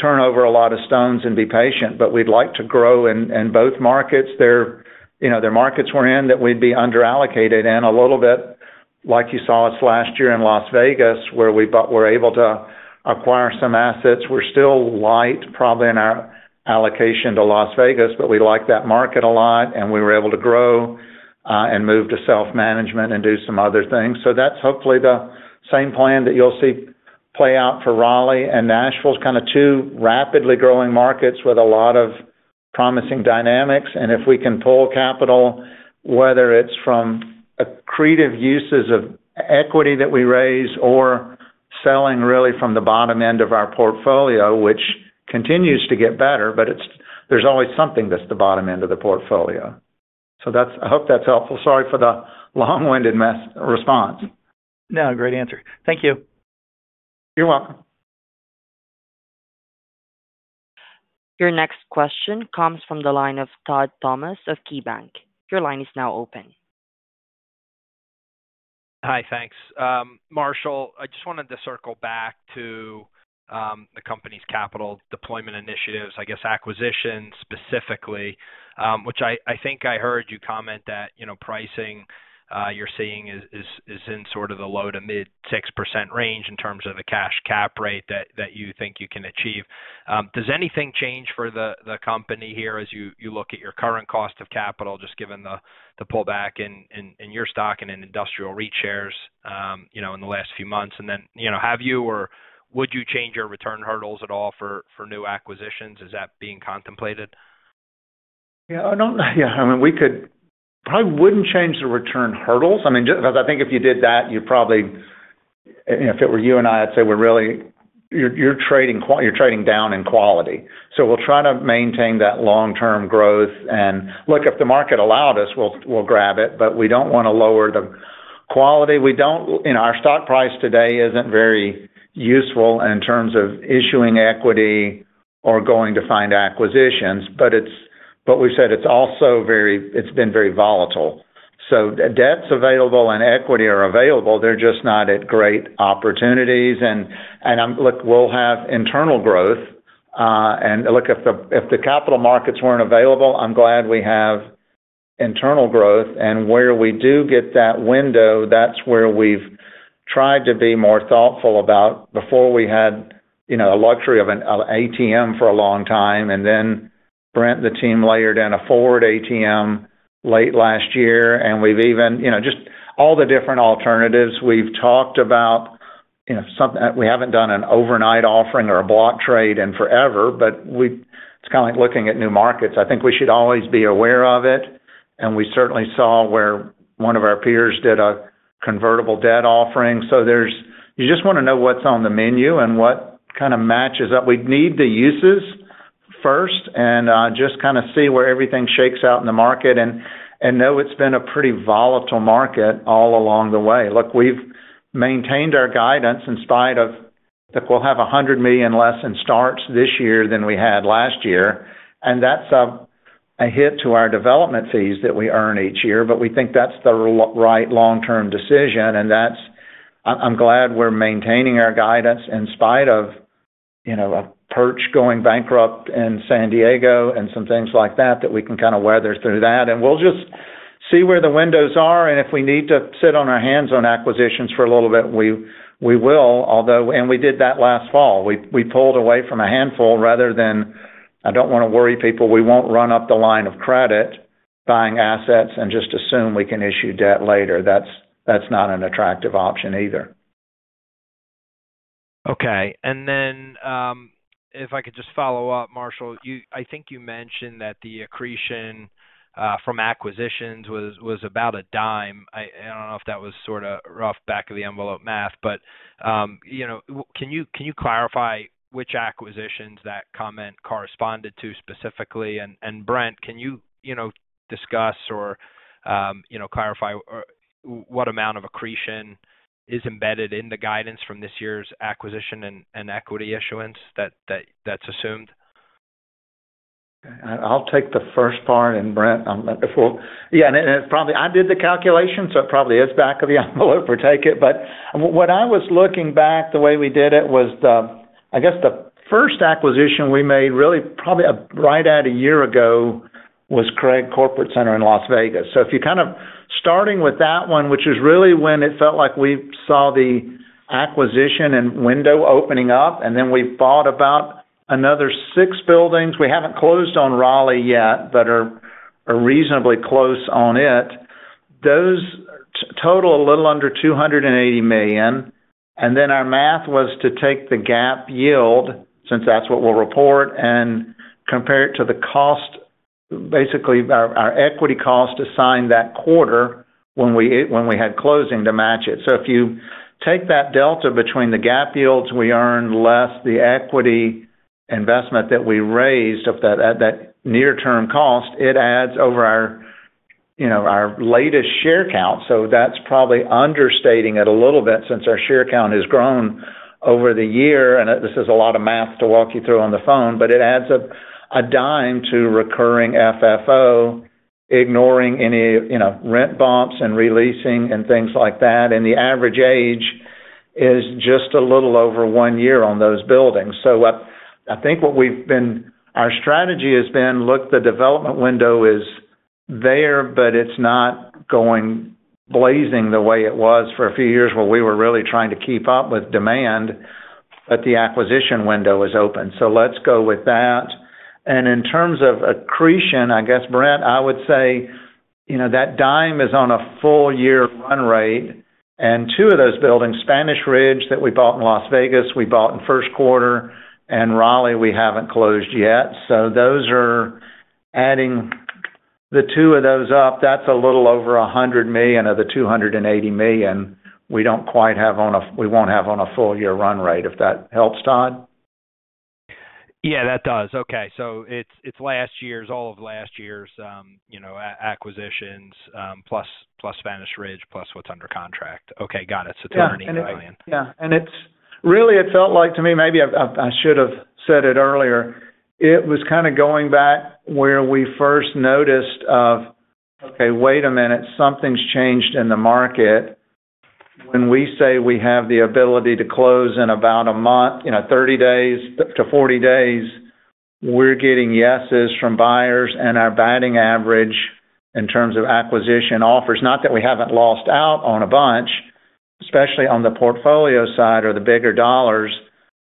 turn over a lot of stones and be patient, but we'd like to grow in both markets. They're, you know, they're markets we're in that we'd be underallocated in a little bit, like you saw us last year in Las Vegas, where we were able to acquire some assets. We're still light, probably in our allocation to Las Vegas, but we like that market a lot, and we were able to grow and move to self-management and do some other things. So that's hopefully the same plan that you'll see play out for Raleigh and Nashville. It's kind of two rapidly growing markets with a lot of promising dynamics, and if we can pull capital, whether it's from accretive uses of equity that we raise or selling really from the bottom end of our portfolio, which continues to get better, but it's, there's always something that's the bottom end of the portfolio. So that's, I hope that's helpful. Sorry for the long-winded, messy response. No, great answer. Thank you. You're welcome. Your next question comes from the line of Todd Thomas of KeyBanc. Your line is now open. Hi, thanks. Marshall, I just wanted to circle back to the company's capital deployment initiatives, I guess, acquisitions specifically, which I think I heard you comment that, you know, pricing you're seeing is in sort of the low-to-mid 6% range in terms of the cash cap rate that you think you can achieve. Does anything change for the company here as you look at your current cost of capital, just given the pullback in your stock and in industrial REIT shares, you know, in the last few months? And then, you know, have you or would you change your return hurdles at all for new acquisitions? Is that being contemplated? Yeah, I mean, we could, probably wouldn't change the return hurdles. I mean, just because I think if you did that, you'd probably, you know, if it were you and I, I'd say we're really, you're trading down in quality. So we'll try to maintain that long-term growth. And look, if the market allowed us, we'll grab it, but we don't wanna lower the quality. We don't and our stock price today isn't very useful in terms of issuing equity or going to find acquisitions, but it's but we've said it's also very, it's been very volatile. So debt's available and equity are available, they're just not at great opportunities. And look, we'll have internal growth, and look, if the capital markets weren't available, I'm glad we have internal growth. And where we do get that window, that's where we've tried to be more thoughtful about. Before we had, you know, a luxury of an ATM for a long time, and then Brent, the team, layered in a forward ATM late last year, and we've even, you know, just all the different alternatives we've talked about, you know, some we haven't done an overnight offering or a block trade in forever, but it's kind of like looking at new markets. I think we should always be aware of it, and we certainly saw where one of our peers did a convertible debt offering. So there's... You just wanna know what's on the menu and what kind of matches up. We'd need the uses first and just kind of see where everything shakes out in the market and, and know it's been a pretty volatile market all along the way. Look, we've maintained our guidance in spite of, look, we'll have $100 million less in starts this year than we had last year, and that's a hit to our development fees that we earn each year, but we think that's the right long-term decision, and that's... I'm glad we're maintaining our guidance in spite of, you know, a Pirch going bankrupt in San Diego and some things like that, that we can kind of weather through that. And we'll just see where the windows are, and if we need to sit on our hands on acquisitions for a little bit, we will, although... And we did that last fall. We pulled away from a handful rather than, I don't wanna worry people, we won't run up the line of credit buying assets and just assume we can issue debt later. That's not an attractive option either. Okay. And then, if I could just follow up, Marshall, you-- I think you mentioned that the accretion from acquisitions was about a dime. I don't know if that was sort of rough, back of the envelope math, but you know, can you clarify which acquisitions that comment corresponded to specifically? And, Brent, can you, you know, discuss or you know, clarify or what amount of accretion is embedded in the guidance from this year's acquisition and equity issuance that's assumed? I'll take the first part, and Brent, I'm before... Yeah, and probably I did the calculation, so it probably is back of the envelope or take it. But what I was looking back, the way we did it, was the, I guess, the first acquisition we made, really, probably, right at a year ago, was Craig Corporate Center in Las Vegas. So if you're kind of starting with that one, which is really when it felt like we saw the acquisition and window opening up, and then we bought about another six buildings. We haven't closed on Raleigh yet, but are reasonably close on it. Those total a little under $280 million, and then our math was to take the GAAP yield, since that's what we'll report, and compare it to the cost, basically, our, our equity cost assigned that quarter when we, when we had closing to match it. So if you take that delta between the GAAP yields, we earn less the equity investment that we raised of that, at that near-term cost, it adds over our, you know, our latest share count. So that's probably understating it a little bit since our share count has grown over the year. And, this is a lot of math to walk you through on the phone, but it adds up $0.10 to recurring FFO, ignoring any, you know, rent bumps and re-leasing and things like that, and the average age is just a little over 1 year on those buildings. So, I think what we've been—our strategy has been, look, the development window is there, but it's not going blazing the way it was for a few years, where we were really trying to keep up with demand, but the acquisition window is open. So let's go with that. And in terms of accretion, I guess, Brent, I would say, you know, that dime is on a full year run rate, and two of those buildings, Spanish Ridge, that we bought in Las Vegas, we bought in first quarter, and Raleigh, we haven't closed yet. So those are adding, the two of those up, that's a little over $100 million of the $280 million. We don't quite have on a—we won't have on a full year run rate. If that helps, Todd? Yeah, that does. Okay. So it's, it's last year's, all of last year's, you know, acquisitions, plus, plus Spanish Ridge, plus what's under contract. Okay, got it. Yeah. It's a $20 million. Yeah, and it's really, it felt like to me, maybe I, I, I should have said it earlier. It was kinda going back where we first noticed of, okay, wait a minute, something's changed in the market. When we say we have the ability to close in about a month, you know, 30-40 days, we're getting yeses from buyers and our batting average in terms of acquisition offers, not that we haven't lost out on a bunch, especially on the portfolio side or the bigger dollars,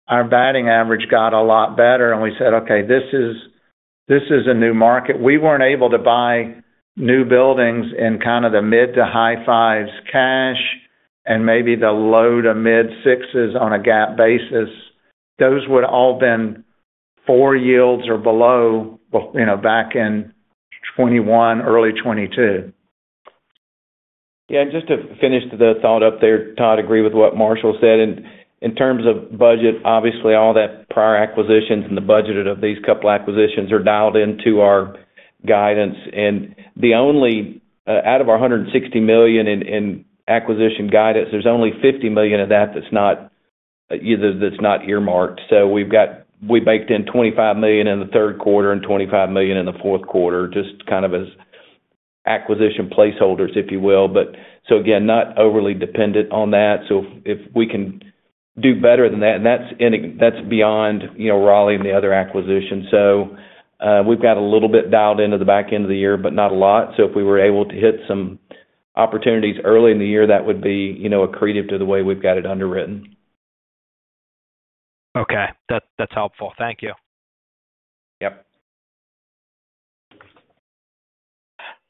our batting average got a lot better, and we said: Okay, this is, this is a new market. We weren't able to buy new buildings in kind of the mid- to high-5s cash, and maybe the low- to mid-6s on a GAAP basis. Those would all been 4 yields or below, well, you know, back in 2021, early 2022. Yeah, just to finish the thought up there, Todd, agree with what Marshall said. In terms of budget, obviously, all that prior acquisitions and the budget of these couple acquisitions are dialed into our guidance. The only out of our $160 million in acquisition guidance, there's only $50 million of that that's not earmarked. So we've got we baked in $25 million in the third quarter and $25 million in the fourth quarter, just kind of as acquisition placeholders, if you will. But so again, not overly dependent on that. So if we can do better than that, and that's beyond, you know, Raleigh and the other acquisitions. So we've got a little bit dialed into the back end of the year, but not a lot. If we were able to hit some opportunities early in the year, that would be, you know, accretive to the way we've got it underwritten. Okay. That, that's helpful. Thank you. Yep.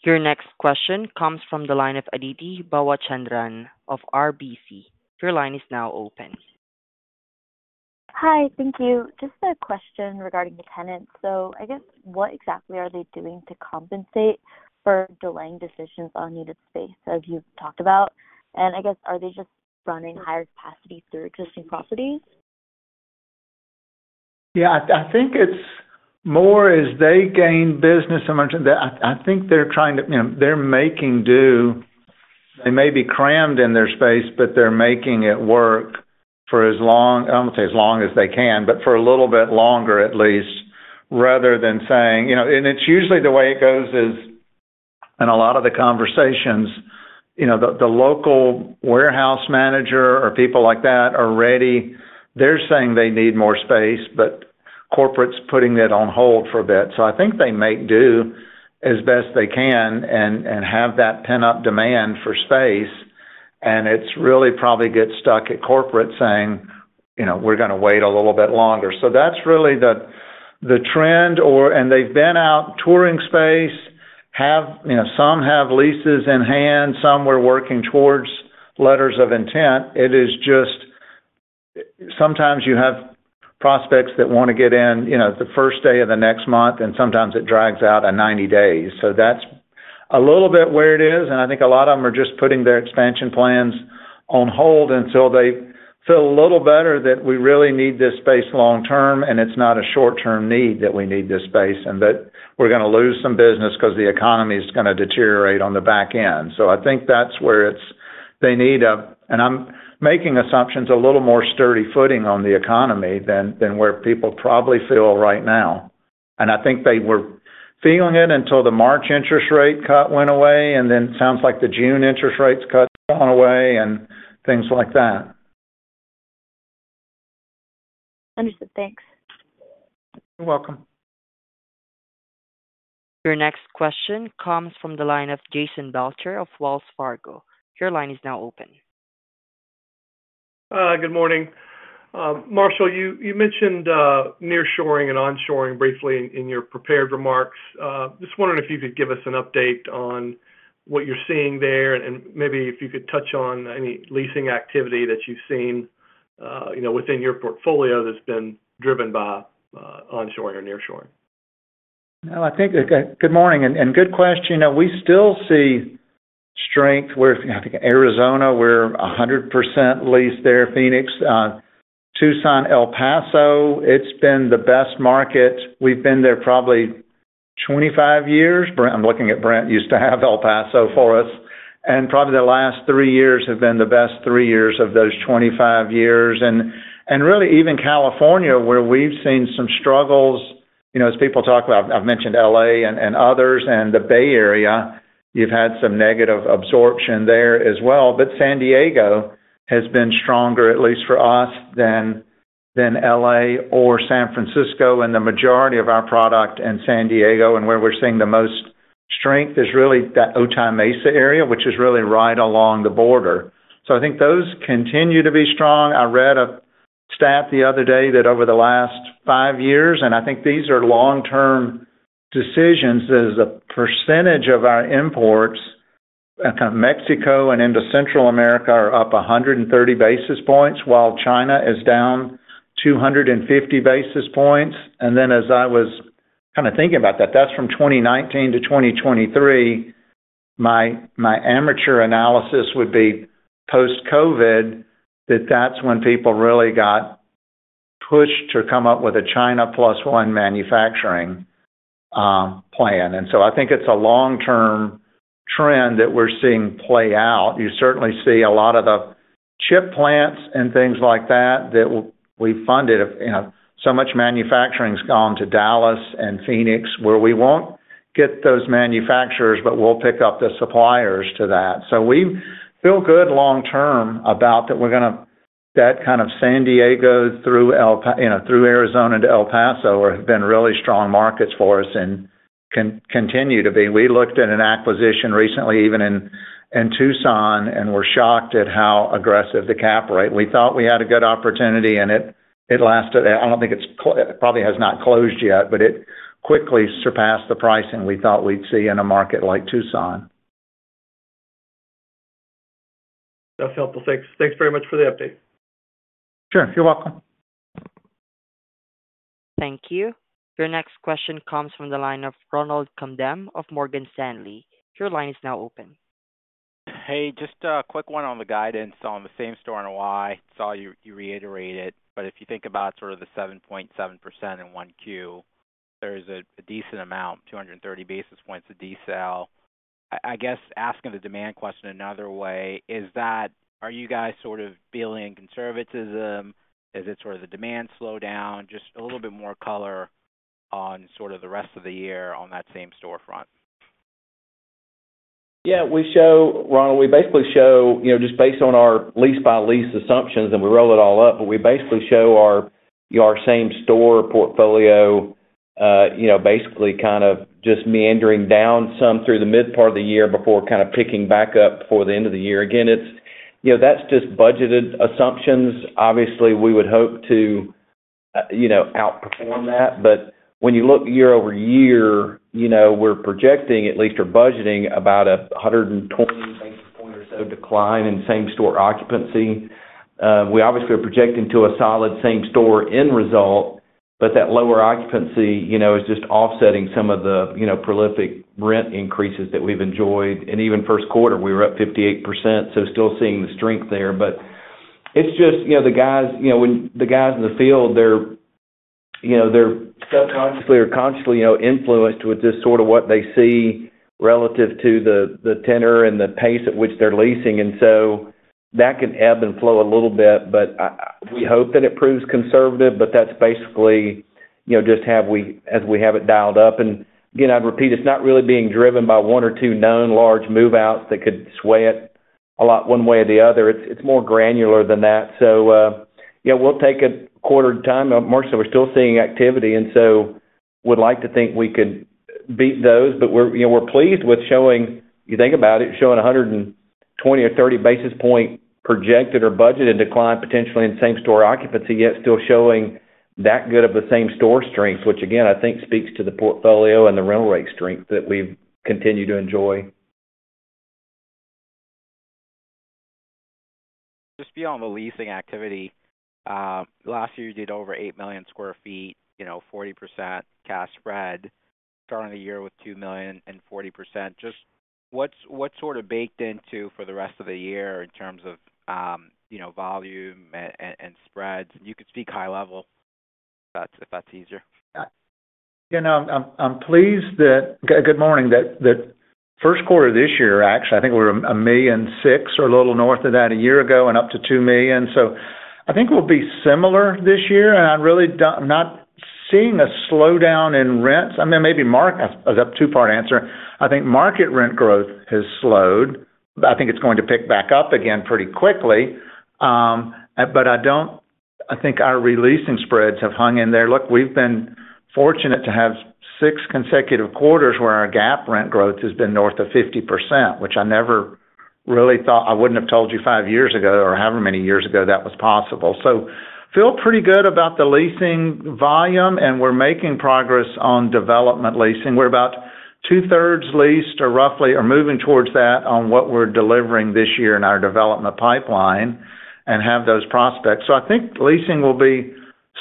Your next question comes from the line of Aditi Balachandran of RBC. Your line is now open. Hi, thank you. Just a question regarding the tenants. So I guess, what exactly are they doing to compensate for delaying decisions on needed space, as you've talked about? And I guess, are they just running higher capacity through existing properties? Yeah, I think it's more as they gain business. I imagine that. I think they're trying to, you know, they're making do. They may be crammed in their space, but they're making it work for as long. I wouldn't say as long as they can, but for a little bit longer, at least, rather than saying. You know, it's usually the way it goes. In a lot of the conversations, you know, the local warehouse manager or people like that are ready. They're saying they need more space, but corporate's putting it on hold for a bit. So I think they make do as best they can and have that pent-up demand for space, and it's really probably get stuck at corporate saying, "You know, we're gonna wait a little bit longer." So that's really the trend and they've been out touring space, you know, some have leases in hand, some were working towards letters of intent. It is just sometimes you have prospects that wanna get in, you know, the first day of the next month, and sometimes it drags out 90 days. So that's a little bit where it is, and I think a lot of them are just putting their expansion plans on hold until they feel a little better that we really need this space long term, and it's not a short-term need that we need this space, and that we're gonna lose some business 'cause the economy is gonna deteriorate on the back end. So I think that's where it's, they need, and I'm making assumptions, a little more sturdy footing on the economy than where people probably feel right now. And I think they were feeling it until the March interest rate cut went away, and then it sounds like the June interest rates cut gone away and things like that. Understood. Thanks. You're welcome. Your next question comes from the line of Jason Belcher of Wells Fargo. Your line is now open. Good morning. Marshall, you mentioned nearshoring and onshoring briefly in your prepared remarks. Just wondering if you could give us an update on what you're seeing there, and maybe if you could touch on any leasing activity that you've seen, you know, within your portfolio that's been driven by onshoring or nearshoring. Well, I think good morning, and good question. You know, we still see strength with, I think, Arizona, we're 100% leased there, Phoenix. Tucson, El Paso, it's been the best market. We've been there probably 25 years. Brent, I'm looking at Brent, used to have El Paso for us, and probably the last 3 years have been the best 3 years of those 25 years. And, and really even California, where we've seen some struggles, you know, as people talk about, I've mentioned L.A. and, and others, and the Bay Area, you've had some negative absorption there as well. But San Diego has been stronger, at least for us, than L.A. or San Francisco, and the majority of our product in San Diego, and where we're seeing the most strength, is really that Otay Mesa area, which is really right along the border. So I think those continue to be strong. I read a stat the other day that over the last 5 years, and I think these are long-term decisions, is the percentage of our imports, kind of Mexico and into Central America, are up 130 basis points, while China is down 250 basis points. And then as I was kind of thinking about that, that's from 2019 to 2023, my, my amateur analysis would be post-COVID, that that's when people really got pushed to come up with a China plus one manufacturing, plan. And so I think it's a long-term trend that we're seeing play out. You certainly see a lot of the chip plants and things like that, that we funded. You know, so much manufacturing has gone to Dallas and Phoenix, where we won't get those manufacturers, but we'll pick up the suppliers to that. So we feel good long term about that kind of San Diego through El Paso, you know, through Arizona to El Paso, have been really strong markets for us and continue to be. We looked at an acquisition recently, even in Tucson, and we're shocked at how aggressive the cap rate. We thought we had a good opportunity, and it lasted. I don't think it's closed. It probably has not closed yet, but it quickly surpassed the pricing we thought we'd see in a market like Tucson. That's helpful. Thanks. Thanks very much for the update. Sure. You're welcome. Thank you. Your next question comes from the line of Ronald Kamdem of Morgan Stanley. Your line is now open. Hey, just a quick one on the guidance on the same store and why. Saw you, you reiterate it, but if you think about sort of the 7.7% in 1Q, there's a decent amount, 230 basis points of decel. I guess, asking the demand question another way, is that, are you guys sort of feeling conservatism? Is it sort of the demand slowdown? Just a little bit more color on sort of the rest of the year on that same store front. Yeah, we show, Ronald, we basically show, you know, just based on our lease by lease assumptions, and we roll it all up, but we basically show our, our same-store portfolio, you know, basically kind of just meandering down some through the mid part of the year before kind of picking back up for the end of the year. Again, it's, you know, that's just budgeted assumptions. Obviously, we would hope to, you know, outperform that, but when you look year-over-year, you know, we're projecting, at least we're budgeting about 120 basis points or so decline in same-store occupancy. We obviously are projecting to a solid same-store end result, but that lower occupancy, you know, is just offsetting some of the, you know, prolific rent increases that we've enjoyed. Even first quarter, we were up 58%, so still seeing the strength there. But it's just, you know, the guys, you know, when the guys in the field, they're, you know, they're subconsciously or consciously, you know, influenced with just sort of what they see relative to the, the tenor and the pace at which they're leasing. And so that can ebb and flow a little bit, but we hope that it proves conservative, but that's basically, you know, just how we have it dialed up. And again, I'd repeat, it's not really being driven by one or two known large move-outs that could sway it a lot one way or the other. It's, it's more granular than that. So, yeah, we'll take it quarter at a time. March, so we're still seeing activity, and so would like to think we could beat those. But we're, you know, we're pleased with showing. You think about it, showing a 120 or 130 basis point projected or budgeted decline potentially in same-store occupancy, yet still showing that good of the same-store strength, which again, I think speaks to the portfolio and the rental rate strength that we've continued to enjoy. Just beyond the leasing activity, last year, you did over 8 million sq ft, you know, 40% cash spread, starting the year with 2 million and 40%. Just what's sort of baked into for the rest of the year in terms of, you know, volume and spreads? You could speak high level, if that's easier. Yeah, I'm pleased that... Good morning. That the first quarter of this year, actually, I think we're 1.6 million or a little north of that a year ago and up to 2 million. So I think we'll be similar this year, and I'm really not seeing a slowdown in rents. I mean, maybe market, a two-part answer. I think market rent growth has slowed, but I think it's going to pick back up again pretty quickly. But I don't think our re-leasing spreads have hung in there. Look, we've been fortunate to have 6 consecutive quarters where our GAAP rent growth has been north of 50%, which I never really thought. I wouldn't have told you 5 years ago or however many years ago that was possible. So feel pretty good about the leasing volume, and we're making progress on development leasing. We're about two-thirds leased, or roughly, or moving towards that on what we're delivering this year in our development pipeline and have those prospects. So I think leasing will be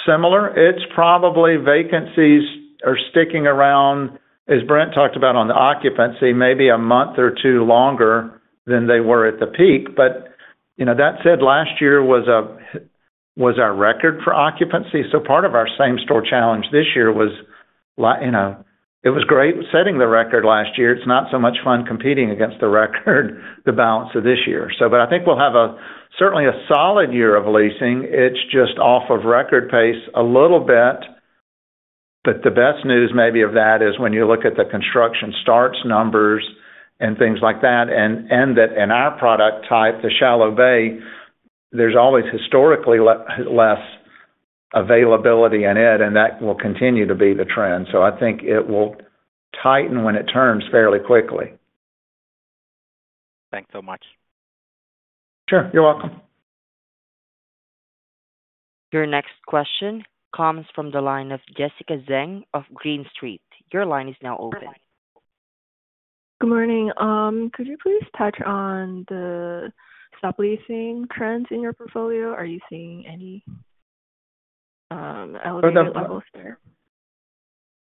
similar. It's probably vacancies are sticking around, as Brent talked about on the occupancy, maybe a month or two longer than they were at the peak. But, you know, that said, last year was, was our record for occupancy, so part of our same store challenge this year was you know, it was great setting the record last year. It's not so much fun competing against the record, the balance of this year. So but I think we'll have a, certainly a solid year of leasing. It's just off of record pace a little bit. But the best news maybe of that is when you look at the construction starts numbers and things like that, and that in our product type, the shallow bay, there's always historically less availability in it, and that will continue to be the trend. So I think it will tighten when it turns fairly quickly. Thanks so much. Sure. You're welcome. Your next question comes from the line of Jessica Zheng of Green Street. Your line is now open. Good morning. Could you please touch on the subleasing trends in your portfolio? Are you seeing any elevated levels there?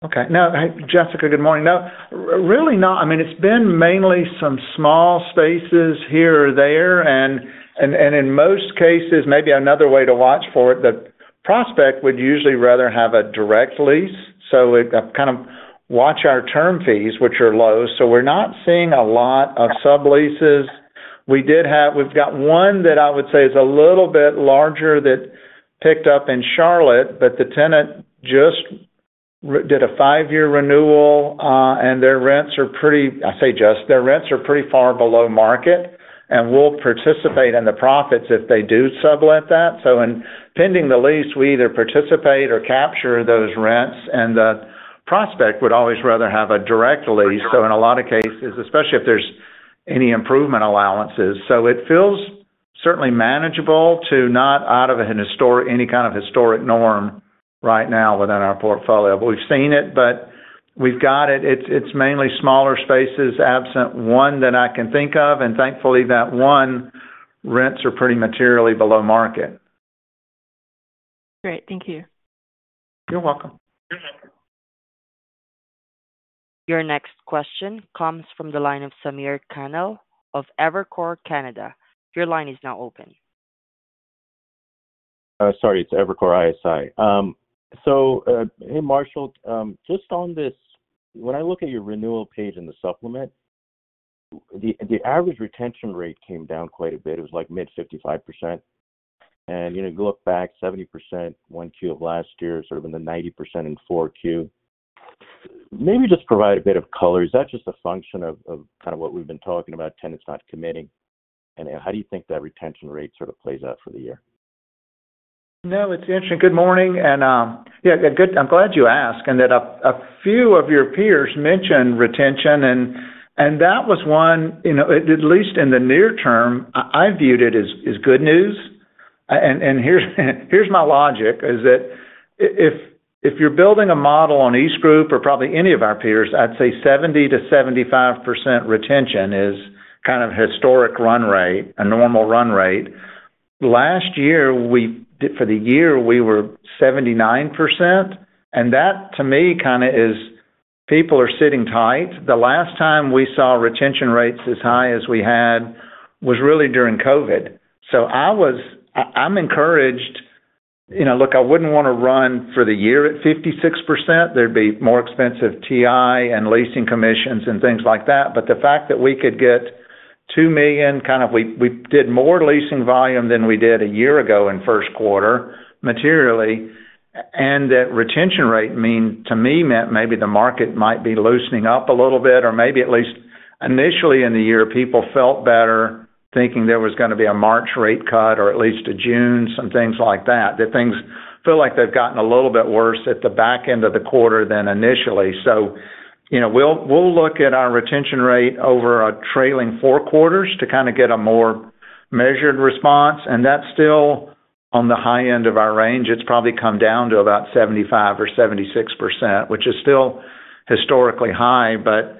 Okay. Now, Jessica, good morning. No, really not. I mean, it's been mainly some small spaces here or there, and in most cases, maybe another way to watch for it, the prospect would usually rather have a direct lease, so we'd kind of watch our term fees, which are low. So we're not seeing a lot of subleases. We've got one that I would say is a little bit larger that picked up in Charlotte, but the tenant just did a five-year renewal, and their rents are pretty far below market, and we'll participate in the profits if they do sublet that. So in pending the lease, we either participate or capture those rents, and the prospect would always rather have a direct lease, so in a lot of cases, especially if there's any improvement allowances. So it feels certainly manageable to not out of any kind of historic norm right now within our portfolio. But we've seen it, but we've got it. It's, it's mainly smaller spaces, absent one that I can think of, and thankfully, that one, rents are pretty materially below market. Great. Thank you. You're welcome. Your next question comes from the line of Samir Khanal of Evercore ISI. Your line is now open. Sorry, it's Evercore ISI. So, hey, Marshall, just on this, when I look at your renewal page in the supplement, the average retention rate came down quite a bit. It was like mid-55%. You know, you look back, 70%, 1Q of last year, sort of in the 90% in 4Q. Maybe just provide a bit of color. Is that just a function of kind of what we've been talking about, tenants not committing? And how do you think that retention rate sort of plays out for the year? No, it's interesting. Good morning, and yeah, good. I'm glad you asked, and that a few of your peers mentioned retention, and that was one, you know, at least in the near term, I viewed it as good news. And here's my logic, is that if you're building a model on EastGroup or probably any of our peers, I'd say 70%-75% retention is kind of historic run rate, a normal run rate. Last year, for the year, we were 79%, and that to me, kind of is, people are sitting tight. The last time we saw retention rates as high as we had was really during COVID. So I was... I'm encouraged. You know, look, I wouldn't want to run for the year at 56%. There'd be more expensive TI and leasing commissions and things like that. But the fact that we could get 2 million, kind of we did more leasing volume than we did a year ago in first quarter, materially, and that retention rate, to me, meant maybe the market might be loosening up a little bit, or maybe at least initially in the year, people felt better thinking there was gonna be a March rate cut or at least a June, some things like that, that things feel like they've gotten a little bit worse at the back end of the quarter than initially. So, you know, we'll look at our retention rate over a trailing four quarters to kind of get a more measured response, and that's still on the high end of our range. It's probably come down to about 75% or 76%, which is still historically high, but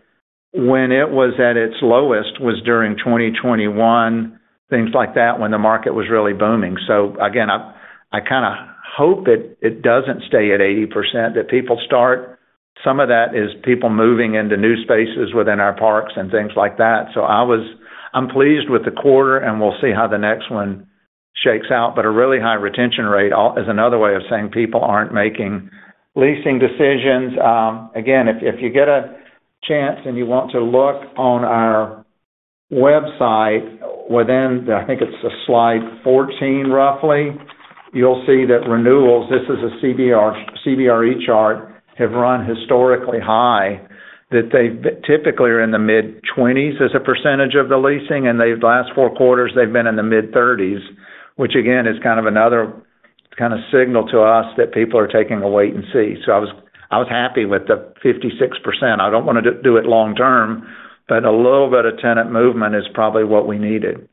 when it was at its lowest was during 2021, things like that, when the market was really booming. So again, I kind of hope it doesn't stay at 80%, that people start... Some of that is people moving into new spaces within our parks and things like that. So I'm pleased with the quarter, and we'll see how the next one shakes out. But a really high retention rate is another way of saying people aren't making leasing decisions. Again, if you get a chance and you want to look on our website within, I think it's slide 14, roughly, you'll see that renewals, this is a CBRE chart, have run historically high, that they typically are in the mid-20s% of the leasing, and the last four quarters, they've been in the mid-30s%, which again, is kind of another kind of signal to us that people are taking a wait and see. So I was happy with the 56%. I don't want to do it long term, but a little bit of tenant movement is probably what we needed.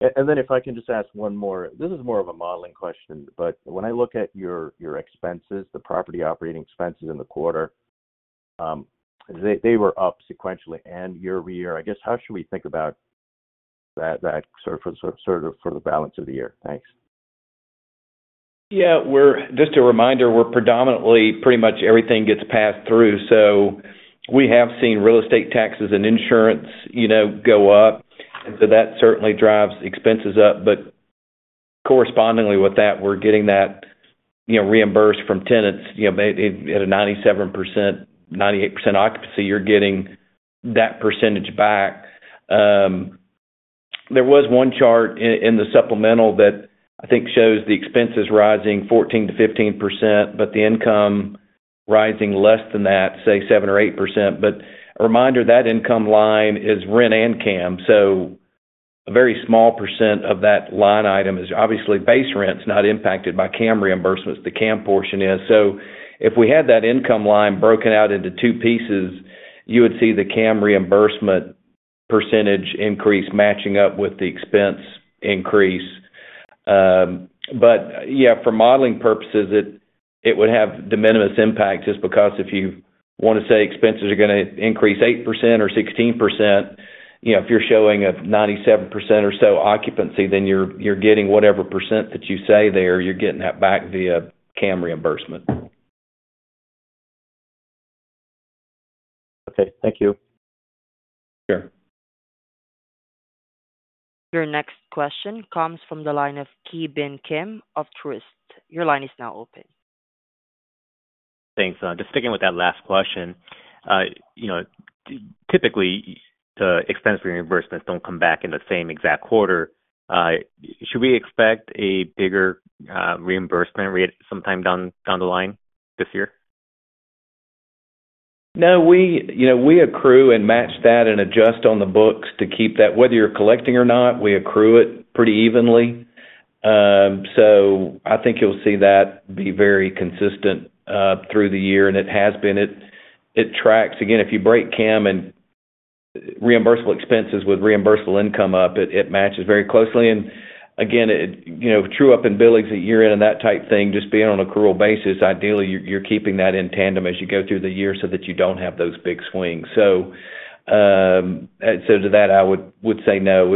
If I can just ask one more, this is more of a modeling question, but when I look at your expenses, the property operating expenses in the quarter, they were up sequentially and year over year. I guess, how should we think about that sort of for the balance of the year? Thanks. Yeah, we're just a reminder, we're predominantly pretty much everything gets passed through. So we have seen real estate taxes and insurance, you know, go up, so that certainly drives expenses up. But correspondingly with that, we're getting that, you know, reimbursed from tenants. You know, at a 97%-98% occupancy, you're getting that percentage back. ...There was one chart in the supplemental that I think shows the expenses rising 14%-15%, but the income rising less than that, say, 7% or 8%. But a reminder, that income line is rent and CAM. So a very small percent of that line item is, obviously, base rent's not impacted by CAM reimbursements, the CAM portion is. So if we had that income line broken out into two pieces, you would see the CAM reimbursement percentage increase matching up with the expense increase. But yeah, for modeling purposes, it would have de minimis impact, just because if you want to say expenses are gonna increase 8% or 16%, you know, if you're showing a 97% or so occupancy, then you're getting whatever percent that you say there. You're getting that back via CAM reimbursement. Okay, thank you. Sure. Your next question comes from the line of Ki Bin Kim of Truist. Your line is now open. Thanks. Just sticking with that last question. You know, typically, the expense reimbursements don't come back in the same exact quarter. Should we expect a bigger reimbursement rate sometime down the line this year? No, we, you know, we accrue and match that and adjust on the books to keep that. Whether you're collecting or not, we accrue it pretty evenly. So I think you'll see that be very consistent through the year, and it has been. It tracks... Again, if you break CAM and reimbursable expenses with reimbursable income up, it matches very closely. And again, it, you know, true up in billings a year in and that type thing, just being on accrual basis, ideally, you're keeping that in tandem as you go through the year so that you don't have those big swings. So, to that, I would say no.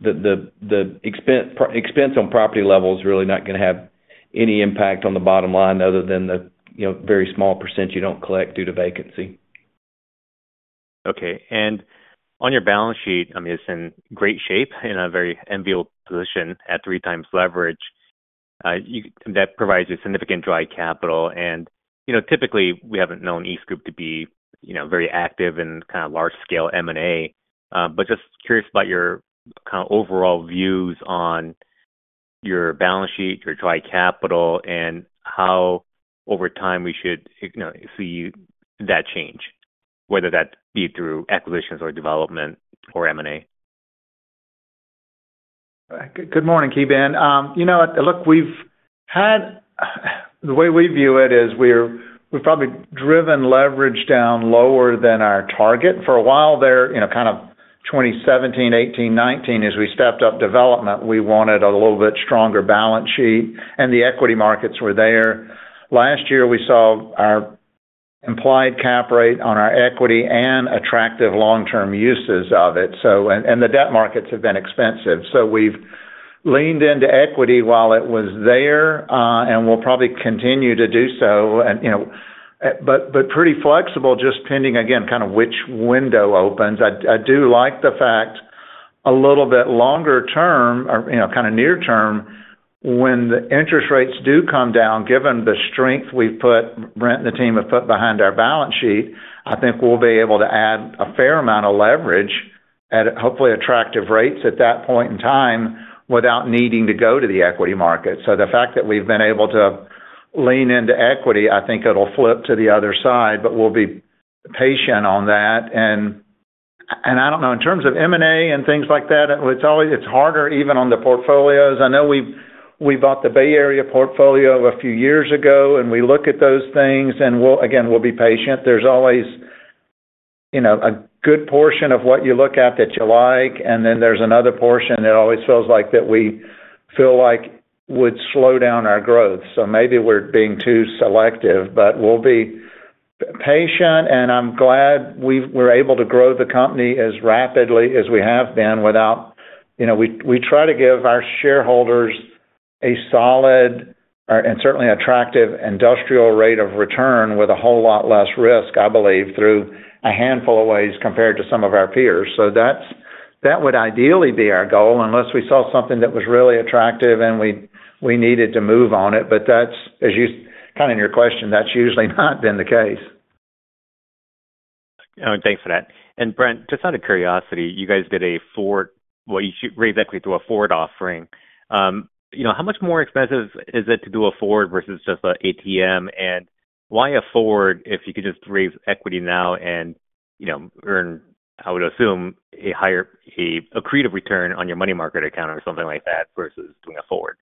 The expense on property level is really not gonna have any impact on the bottom line other than the, you know, very small percent you don't collect due to vacancy. Okay. And on your balance sheet, I mean, it's in great shape, in a very enviable position at 3 times leverage. You that provides you significant dry capital. And you know, typically, we haven't known EastGroup to be, you know, very active in kind of large scale M&A. But just curious about your kind of overall views on your balance sheet, your dry capital, and how over time we should, you know, see that change, whether that be through acquisitions or development or M&A. Good morning, Ki Bin. You know what? Look, we've had. The way we view it is, we're, we've probably driven leverage down lower than our target. For a while there, you know, kind of 2017, 2018, 2019, as we stepped up development, we wanted a little bit stronger balance sheet, and the equity markets were there. Last year, we saw our implied cap rate on our equity and attractive long-term uses of it, so, and, and the debt markets have been expensive. So we've leaned into equity while it was there, and we'll probably continue to do so. And, you know, but, but pretty flexible, just pending, again, kind of which window opens. I, I do like the fact, a little bit longer term or, you know, kind of near term, when the interest rates do come down, given the strength we've put, Brent and the team have put behind our balance sheet, I think we'll be able to add a fair amount of leverage at hopefully attractive rates at that point in time, without needing to go to the equity market. So the fact that we've been able to lean into equity, I think it'll flip to the other side, but we'll be patient on that. And, and I don't know, in terms of M&A and things like that, it's always, it's harder even on the portfolios. I know we bought the Bay Area portfolio a few years ago, and we look at those things, and we'll again, we'll be patient. There's always, you know, a good portion of what you look at that you like, and then there's another portion that always feels like that we feel like would slow down our growth. So maybe we're being too selective, but we'll be patient, and I'm glad we're able to grow the company as rapidly as we have been without... You know, we try to give our shareholders a solid and certainly attractive industrial rate of return with a whole lot less risk, I believe, through a handful of ways compared to some of our peers. So that's, that would ideally be our goal, unless we saw something that was really attractive, and we needed to move on it. But that's, as you kind of in your question, that's usually not been the case. Oh, thanks for that. And Brent, just out of curiosity, you guys did a forward, well, you raised equity through a forward offering. You know, how much more expensive is it to do a forward versus just an ATM? And why a forward, if you could just raise equity now and, you know, earn, I would assume, a higher, an accretive return on your money market account or something like that, versus doing a forward?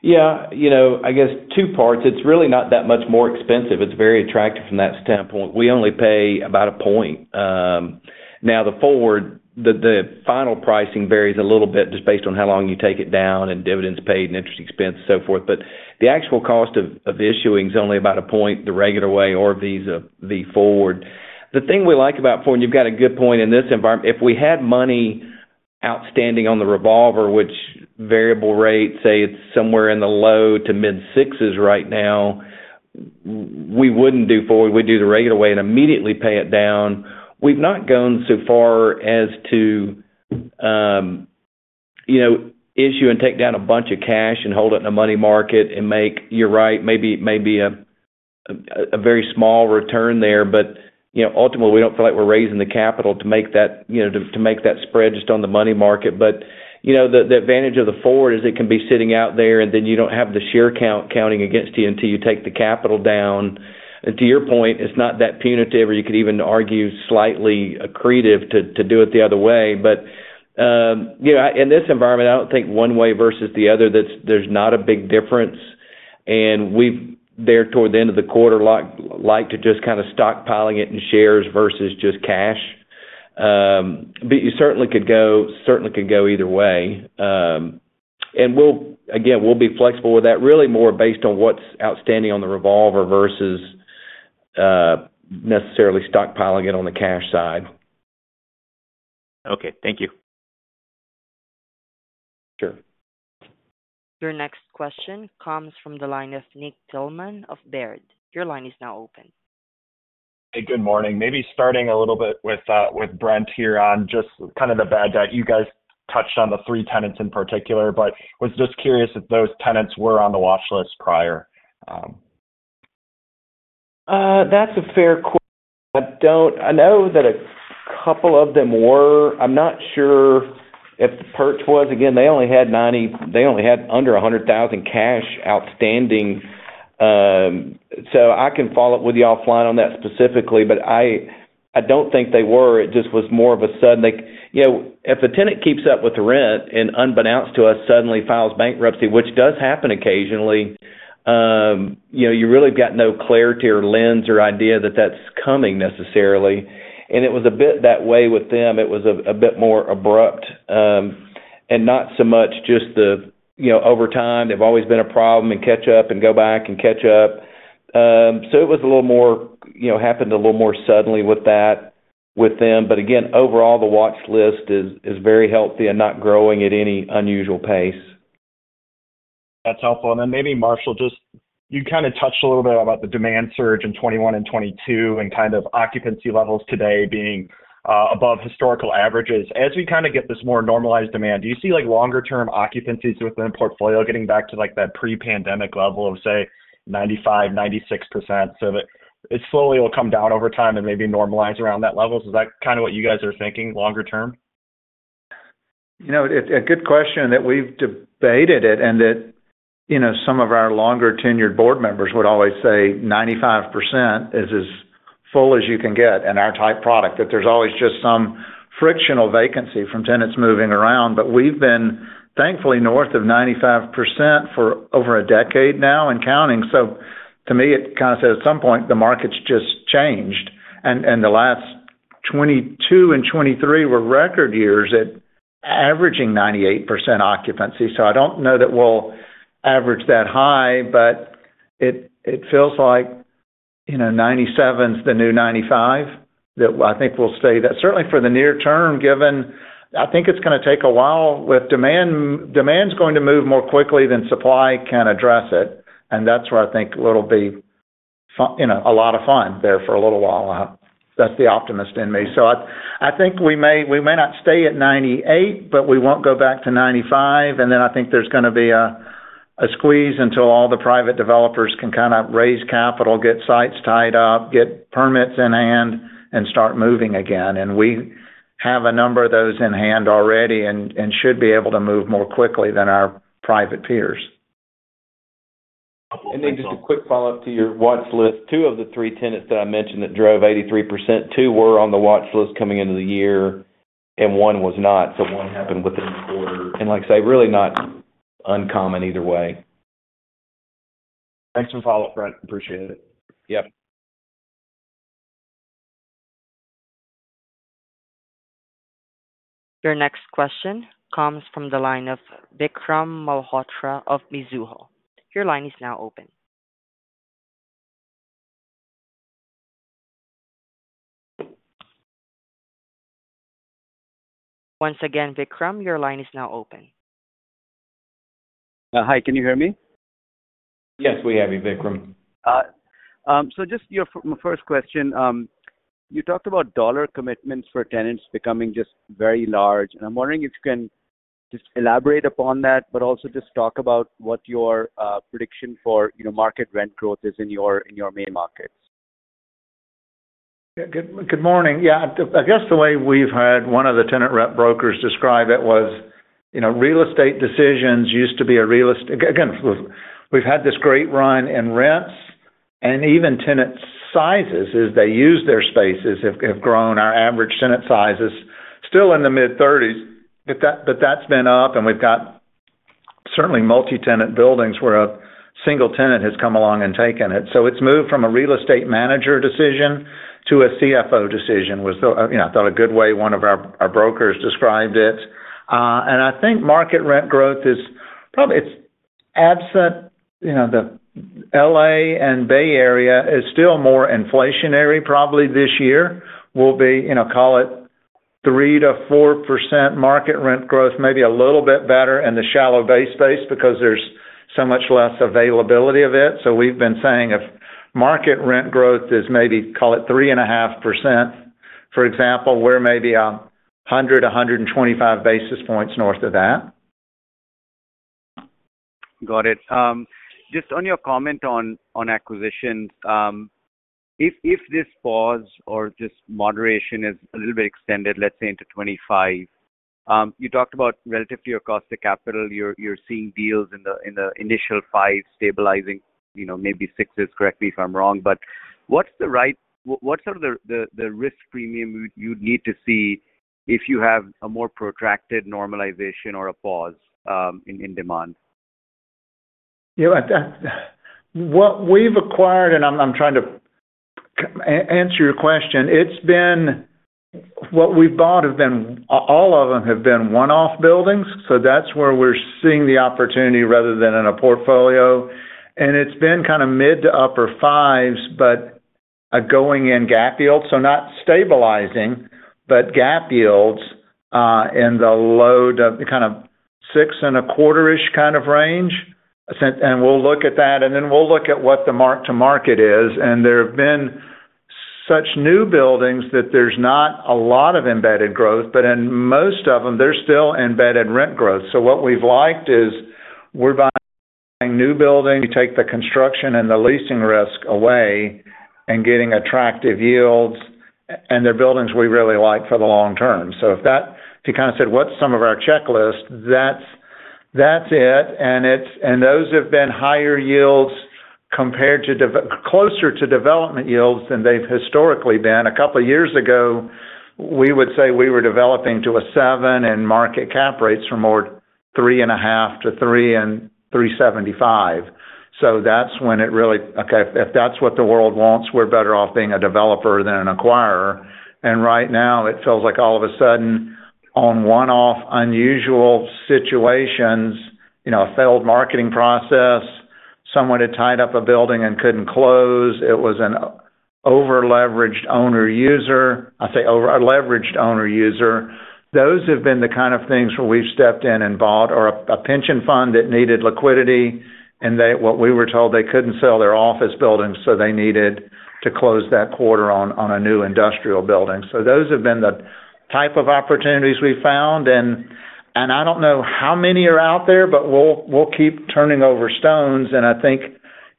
Yeah, you know, I guess two parts. It's really not that much more expensive. It's very attractive from that standpoint. We only pay about a point. Now, the forward, the final pricing varies a little bit just based on how long you take it down and dividends paid and interest expense, so forth. But the actual cost of issuing is only about a point, the regular way or via forward. The thing we like about forward, and you've got a good point in this environment, if we had money outstanding on the revolver, which variable rate, say, it's somewhere in the low-to-mid sixes right now, we wouldn't do forward. We'd do the regular way and immediately pay it down. We've not gone so far as to... You know, issue and take down a bunch of cash and hold it in a money market and make, you're right, maybe a very small return there. But, you know, ultimately, we don't feel like we're raising the capital to make that, you know, to make that spread just on the money market. But, you know, the advantage of the forward is it can be sitting out there, and then you don't have the share count counting against you until you take the capital down. And to your point, it's not that punitive, or you could even argue, slightly accretive to do it the other way. But, you know, in this environment, I don't think one way versus the other, that's, there's not a big difference. And we've there toward the end of the quarter like to just kind of stockpiling it in shares versus just cash. But you certainly could go, certainly could go either way. And we'll. Again, we'll be flexible with that, really more based on what's outstanding on the revolver versus necessarily stockpiling it on the cash side. Okay, thank you. Sure. Your next question comes from the line of Nick Thillman of Baird. Your line is now open. Hey, good morning. Maybe starting a little bit with, with Brent here on just kind of the bad debt. You guys touched on the three tenants in particular, but was just curious if those tenants were on the watch list prior? That's a fair question. I don't... I know that a couple of them were. I'm not sure if the Pirch was. Again, they only had under $100,000 cash outstanding. So I can follow up with you offline on that specifically, but I, I don't think they were. It just was more of a sudden, like, you know, if a tenant keeps up with the rent and unbeknownst to us, suddenly files bankruptcy, which does happen occasionally, you know, you really have got no clarity or lens or idea that that's coming necessarily. And it was a bit that way with them. It was a, a bit more abrupt, and not so much just the, you know, over time, they've always been a problem, and catch up, and go back and catch up. So it was a little more, you know, happened a little more suddenly with that, with them. But again, overall, the watch list is very healthy and not growing at any unusual pace. That's helpful. And then maybe, Marshall, just, you kinda touched a little bit about the demand surge in 2021 and 2022 and kind of occupancy levels today being above historical averages. As we kinda get this more normalized demand, do you see, like, longer-term occupancies within the portfolio getting back to, like, that pre-pandemic level of, say, 95%-96%, so that it slowly will come down over time and maybe normalize around that level? Is that kinda what you guys are thinking longer term? You know, it's a good question, and we've debated it, and that, you know, some of our longer-tenured board members would always say 95% is as full as you can get in our type product, that there's always just some frictional vacancy from tenants moving around. But we've been, thankfully, north of 95% for over a decade now and counting. So to me, it kind of says at some point, the market's just changed, and, and the last 2022 and 2023 were record years at averaging 98% occupancy. So I don't know that we'll average that high, but it, it feels like, you know, 97's the new 95, that I think we'll stay that. Certainly for the near term, given... I think it's gonna take a while, with demand's going to move more quickly than supply can address it, and that's where I think it'll be fun, you know, a lot of fun there for a little while. That's the optimist in me. So I think we may not stay at 98, but we won't go back to 95, and then I think there's gonna be a squeeze until all the private developers can kind of raise capital, get sites tied up, get permits in hand, and start moving again. And we have a number of those in hand already and should be able to move more quickly than our private peers. Then just a quick follow-up to your watch list. Two of the three tenants that I mentioned that drove 83%, two were on the watch list coming into the year and one was not, so one happened within the quarter. Like I say, really not uncommon either way. Thanks for the follow-up, Brent. Appreciate it. Yep. Your next question comes from the line of Vikram Malhotra of Mizuho. Your line is now open. Once again, Vikram, your line is now open. Hi, can you hear me? Yes, we have you, Vikram. So, just your first question, you talked about dollar commitments for tenants becoming just very large, and I'm wondering if you can just elaborate upon that, but also just talk about what your prediction for, you know, market rent growth is in your, in your main markets. Yeah, good morning. Yeah, I guess the way we've had one of the tenant rep brokers describe it was, you know, real estate decisions used to be a real estate. Again, we've had this great run in rents and even tenant sizes, as they use their spaces, have grown. Our average tenant size is still in the mid-30s, but that's been up, and we've got certainly multi-tenant buildings where a single tenant has come along and taken it. So it's moved from a real estate manager decision to a CFO decision, was the, you know, I thought, a good way one of our brokers described it. And I think market rent growth is probably... It's absent, you know, the L.A. and Bay Area is still more inflationary probably this year. We'll be, you know, call it, 3%-4% market rent growth, maybe a little bit better in the shallow bay space because there's so much less availability of it. So we've been saying if market rent growth is maybe, call it 3.5%. For example, we're maybe a hundred, a hundred and 125 basis points north of that. Got it. Just on your comment on acquisitions, if this pause or just moderation is a little bit extended, let's say into 25, you talked about relative to your cost of capital, you're seeing deals in the initial 5 stabilizing, you know, maybe 6s, correct me if I'm wrong, but what's the right—what sort of the risk premium you'd need to see if you have a more protracted normalization or a pause in demand? You know, what we've acquired, and I'm trying to answer your question. It's been... What we've bought have been, all of them have been one-off buildings, so that's where we're seeing the opportunity rather than in a portfolio. And it's been kind of mid to upper fives, but a going-in cap yield, so not stabilizing, but cap yields in the low end of kind of 6.25-ish kind of range. And we'll look at that, and then we'll look at what the mark to market is. And there have been so new buildings that there's not a lot of embedded growth, but in most of them, there's still embedded rent growth. So what we've liked is, we're buying new buildings. We take the construction and the leasing risk away and getting attractive yields, and they're buildings we really like for the long term. So if that. To kind of say, what's some of our checklist? That's, that's it, and it's—and those have been higher yields compared to closer to development yields than they've historically been. A couple of years ago, we would say we were developing to 7, and market cap rates were 3.5-3.375. So that's when it really. Okay, if that's what the world wants, we're better off being a developer than an acquirer. And right now, it feels like all of a sudden, on one-off unusual situations, you know, a failed marketing process, someone had tied up a building and couldn't close, it was an over-leveraged owner user. I say over-leveraged owner user. Those have been the kind of things where we've stepped in and bought or a pension fund that needed liquidity, and they... What we were told, they couldn't sell their office buildings, so they needed to close that quarter on a new industrial building. So those have been the type of opportunities we've found, and I don't know how many are out there, but we'll keep turning over stones, and I think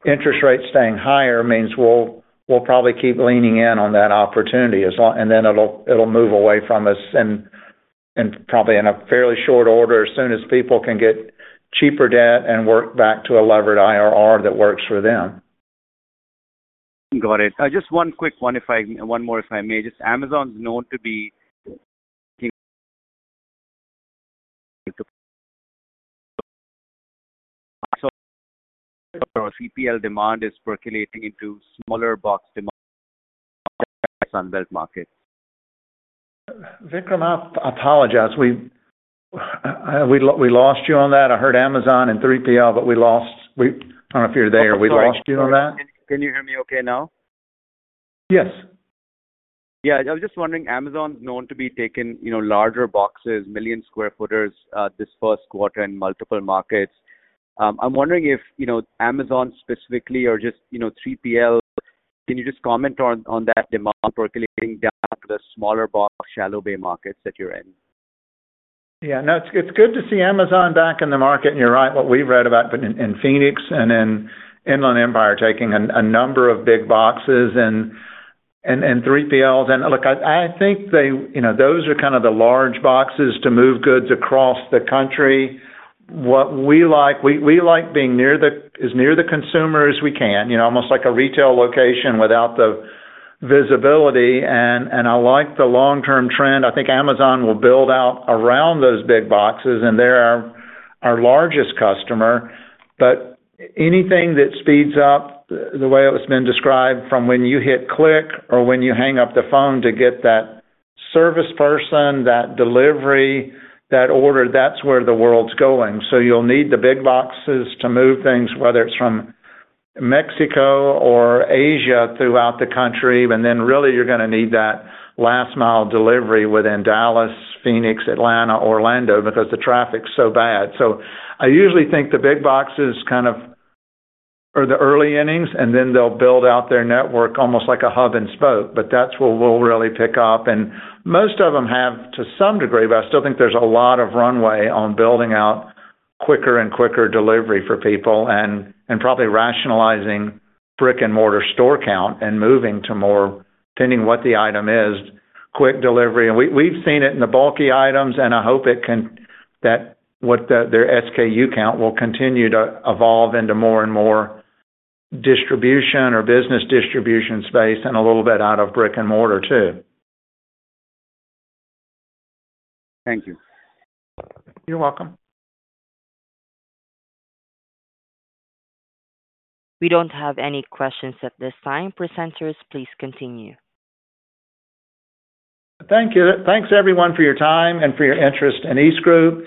interest rates staying higher means we'll probably keep leaning in on that opportunity as well, and then it'll move away from us and probably in a fairly short order, as soon as people can get cheaper debt and work back to a levered IRR that works for them. Got it. Just one quick one, one more, if I may. Just Amazon's known to be... 3PL demand is percolating into smaller box demand on that market. Vikram, I apologize. We lost you on that. I heard Amazon and 3PL, but we lost you. I don't know if you're there, or we lost you on that. Can you hear me okay now? Yes. Yeah, I was just wondering, Amazon's known to be taking, you know, larger boxes, million square footers, this first quarter in multiple markets. I'm wondering if, you know, Amazon specifically or just, you know, 3PL, can you just comment on that demand percolating down to the smaller box, shallow bay markets that you're in? Yeah, no, it's good to see Amazon back in the market, and you're right, what we've read about in Phoenix and in Inland Empire, taking a number of big boxes and 3PLs. And look, I think they, you know, those are kind of the large boxes to move goods across the country. What we like, we like being as near the consumer as we can, you know, almost like a retail location without the visibility, and I like the long-term trend. I think Amazon will build out around those big boxes, and they're our largest customer. But anything that speeds up the way it's been described from when you hit click or when you hang up the phone to get that service person, that delivery, that order, that's where the world's going. So you'll need the big boxes to move things, whether it's from Mexico or Asia, throughout the country, and then really you're gonna need that last-mile delivery within Dallas, Phoenix, Atlanta, Orlando, because the traffic's so bad. So I usually think the big boxes kind of are the early innings, and then they'll build out their network almost like a hub and spoke, but that's where we'll really pick up. And most of them have to some degree, but I still think there's a lot of runway on building out quicker and quicker delivery for people and probably rationalizing brick-and-mortar store count and moving to more, depending what the item is, quick delivery. We've seen it in the bulky items, and I hope that what their SKU count will continue to evolve into more and more distribution or business distribution space and a little bit out of brick and mortar, too. Thank you. You're welcome. We don't have any questions at this time. Presenters, please continue. Thank you. Thanks, everyone, for your time and for your interest in EastGroup.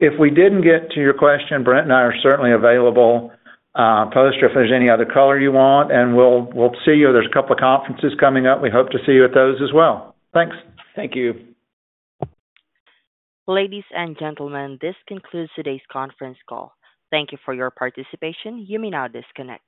If we didn't get to your question, Brent and I are certainly available post, if there's any other color you want, and we'll see you. There's a couple of conferences coming up. We hope to see you at those as well. Thanks. Thank you. Ladies and gentlemen, this concludes today's conference call. Thank you for your participation. You may now disconnect.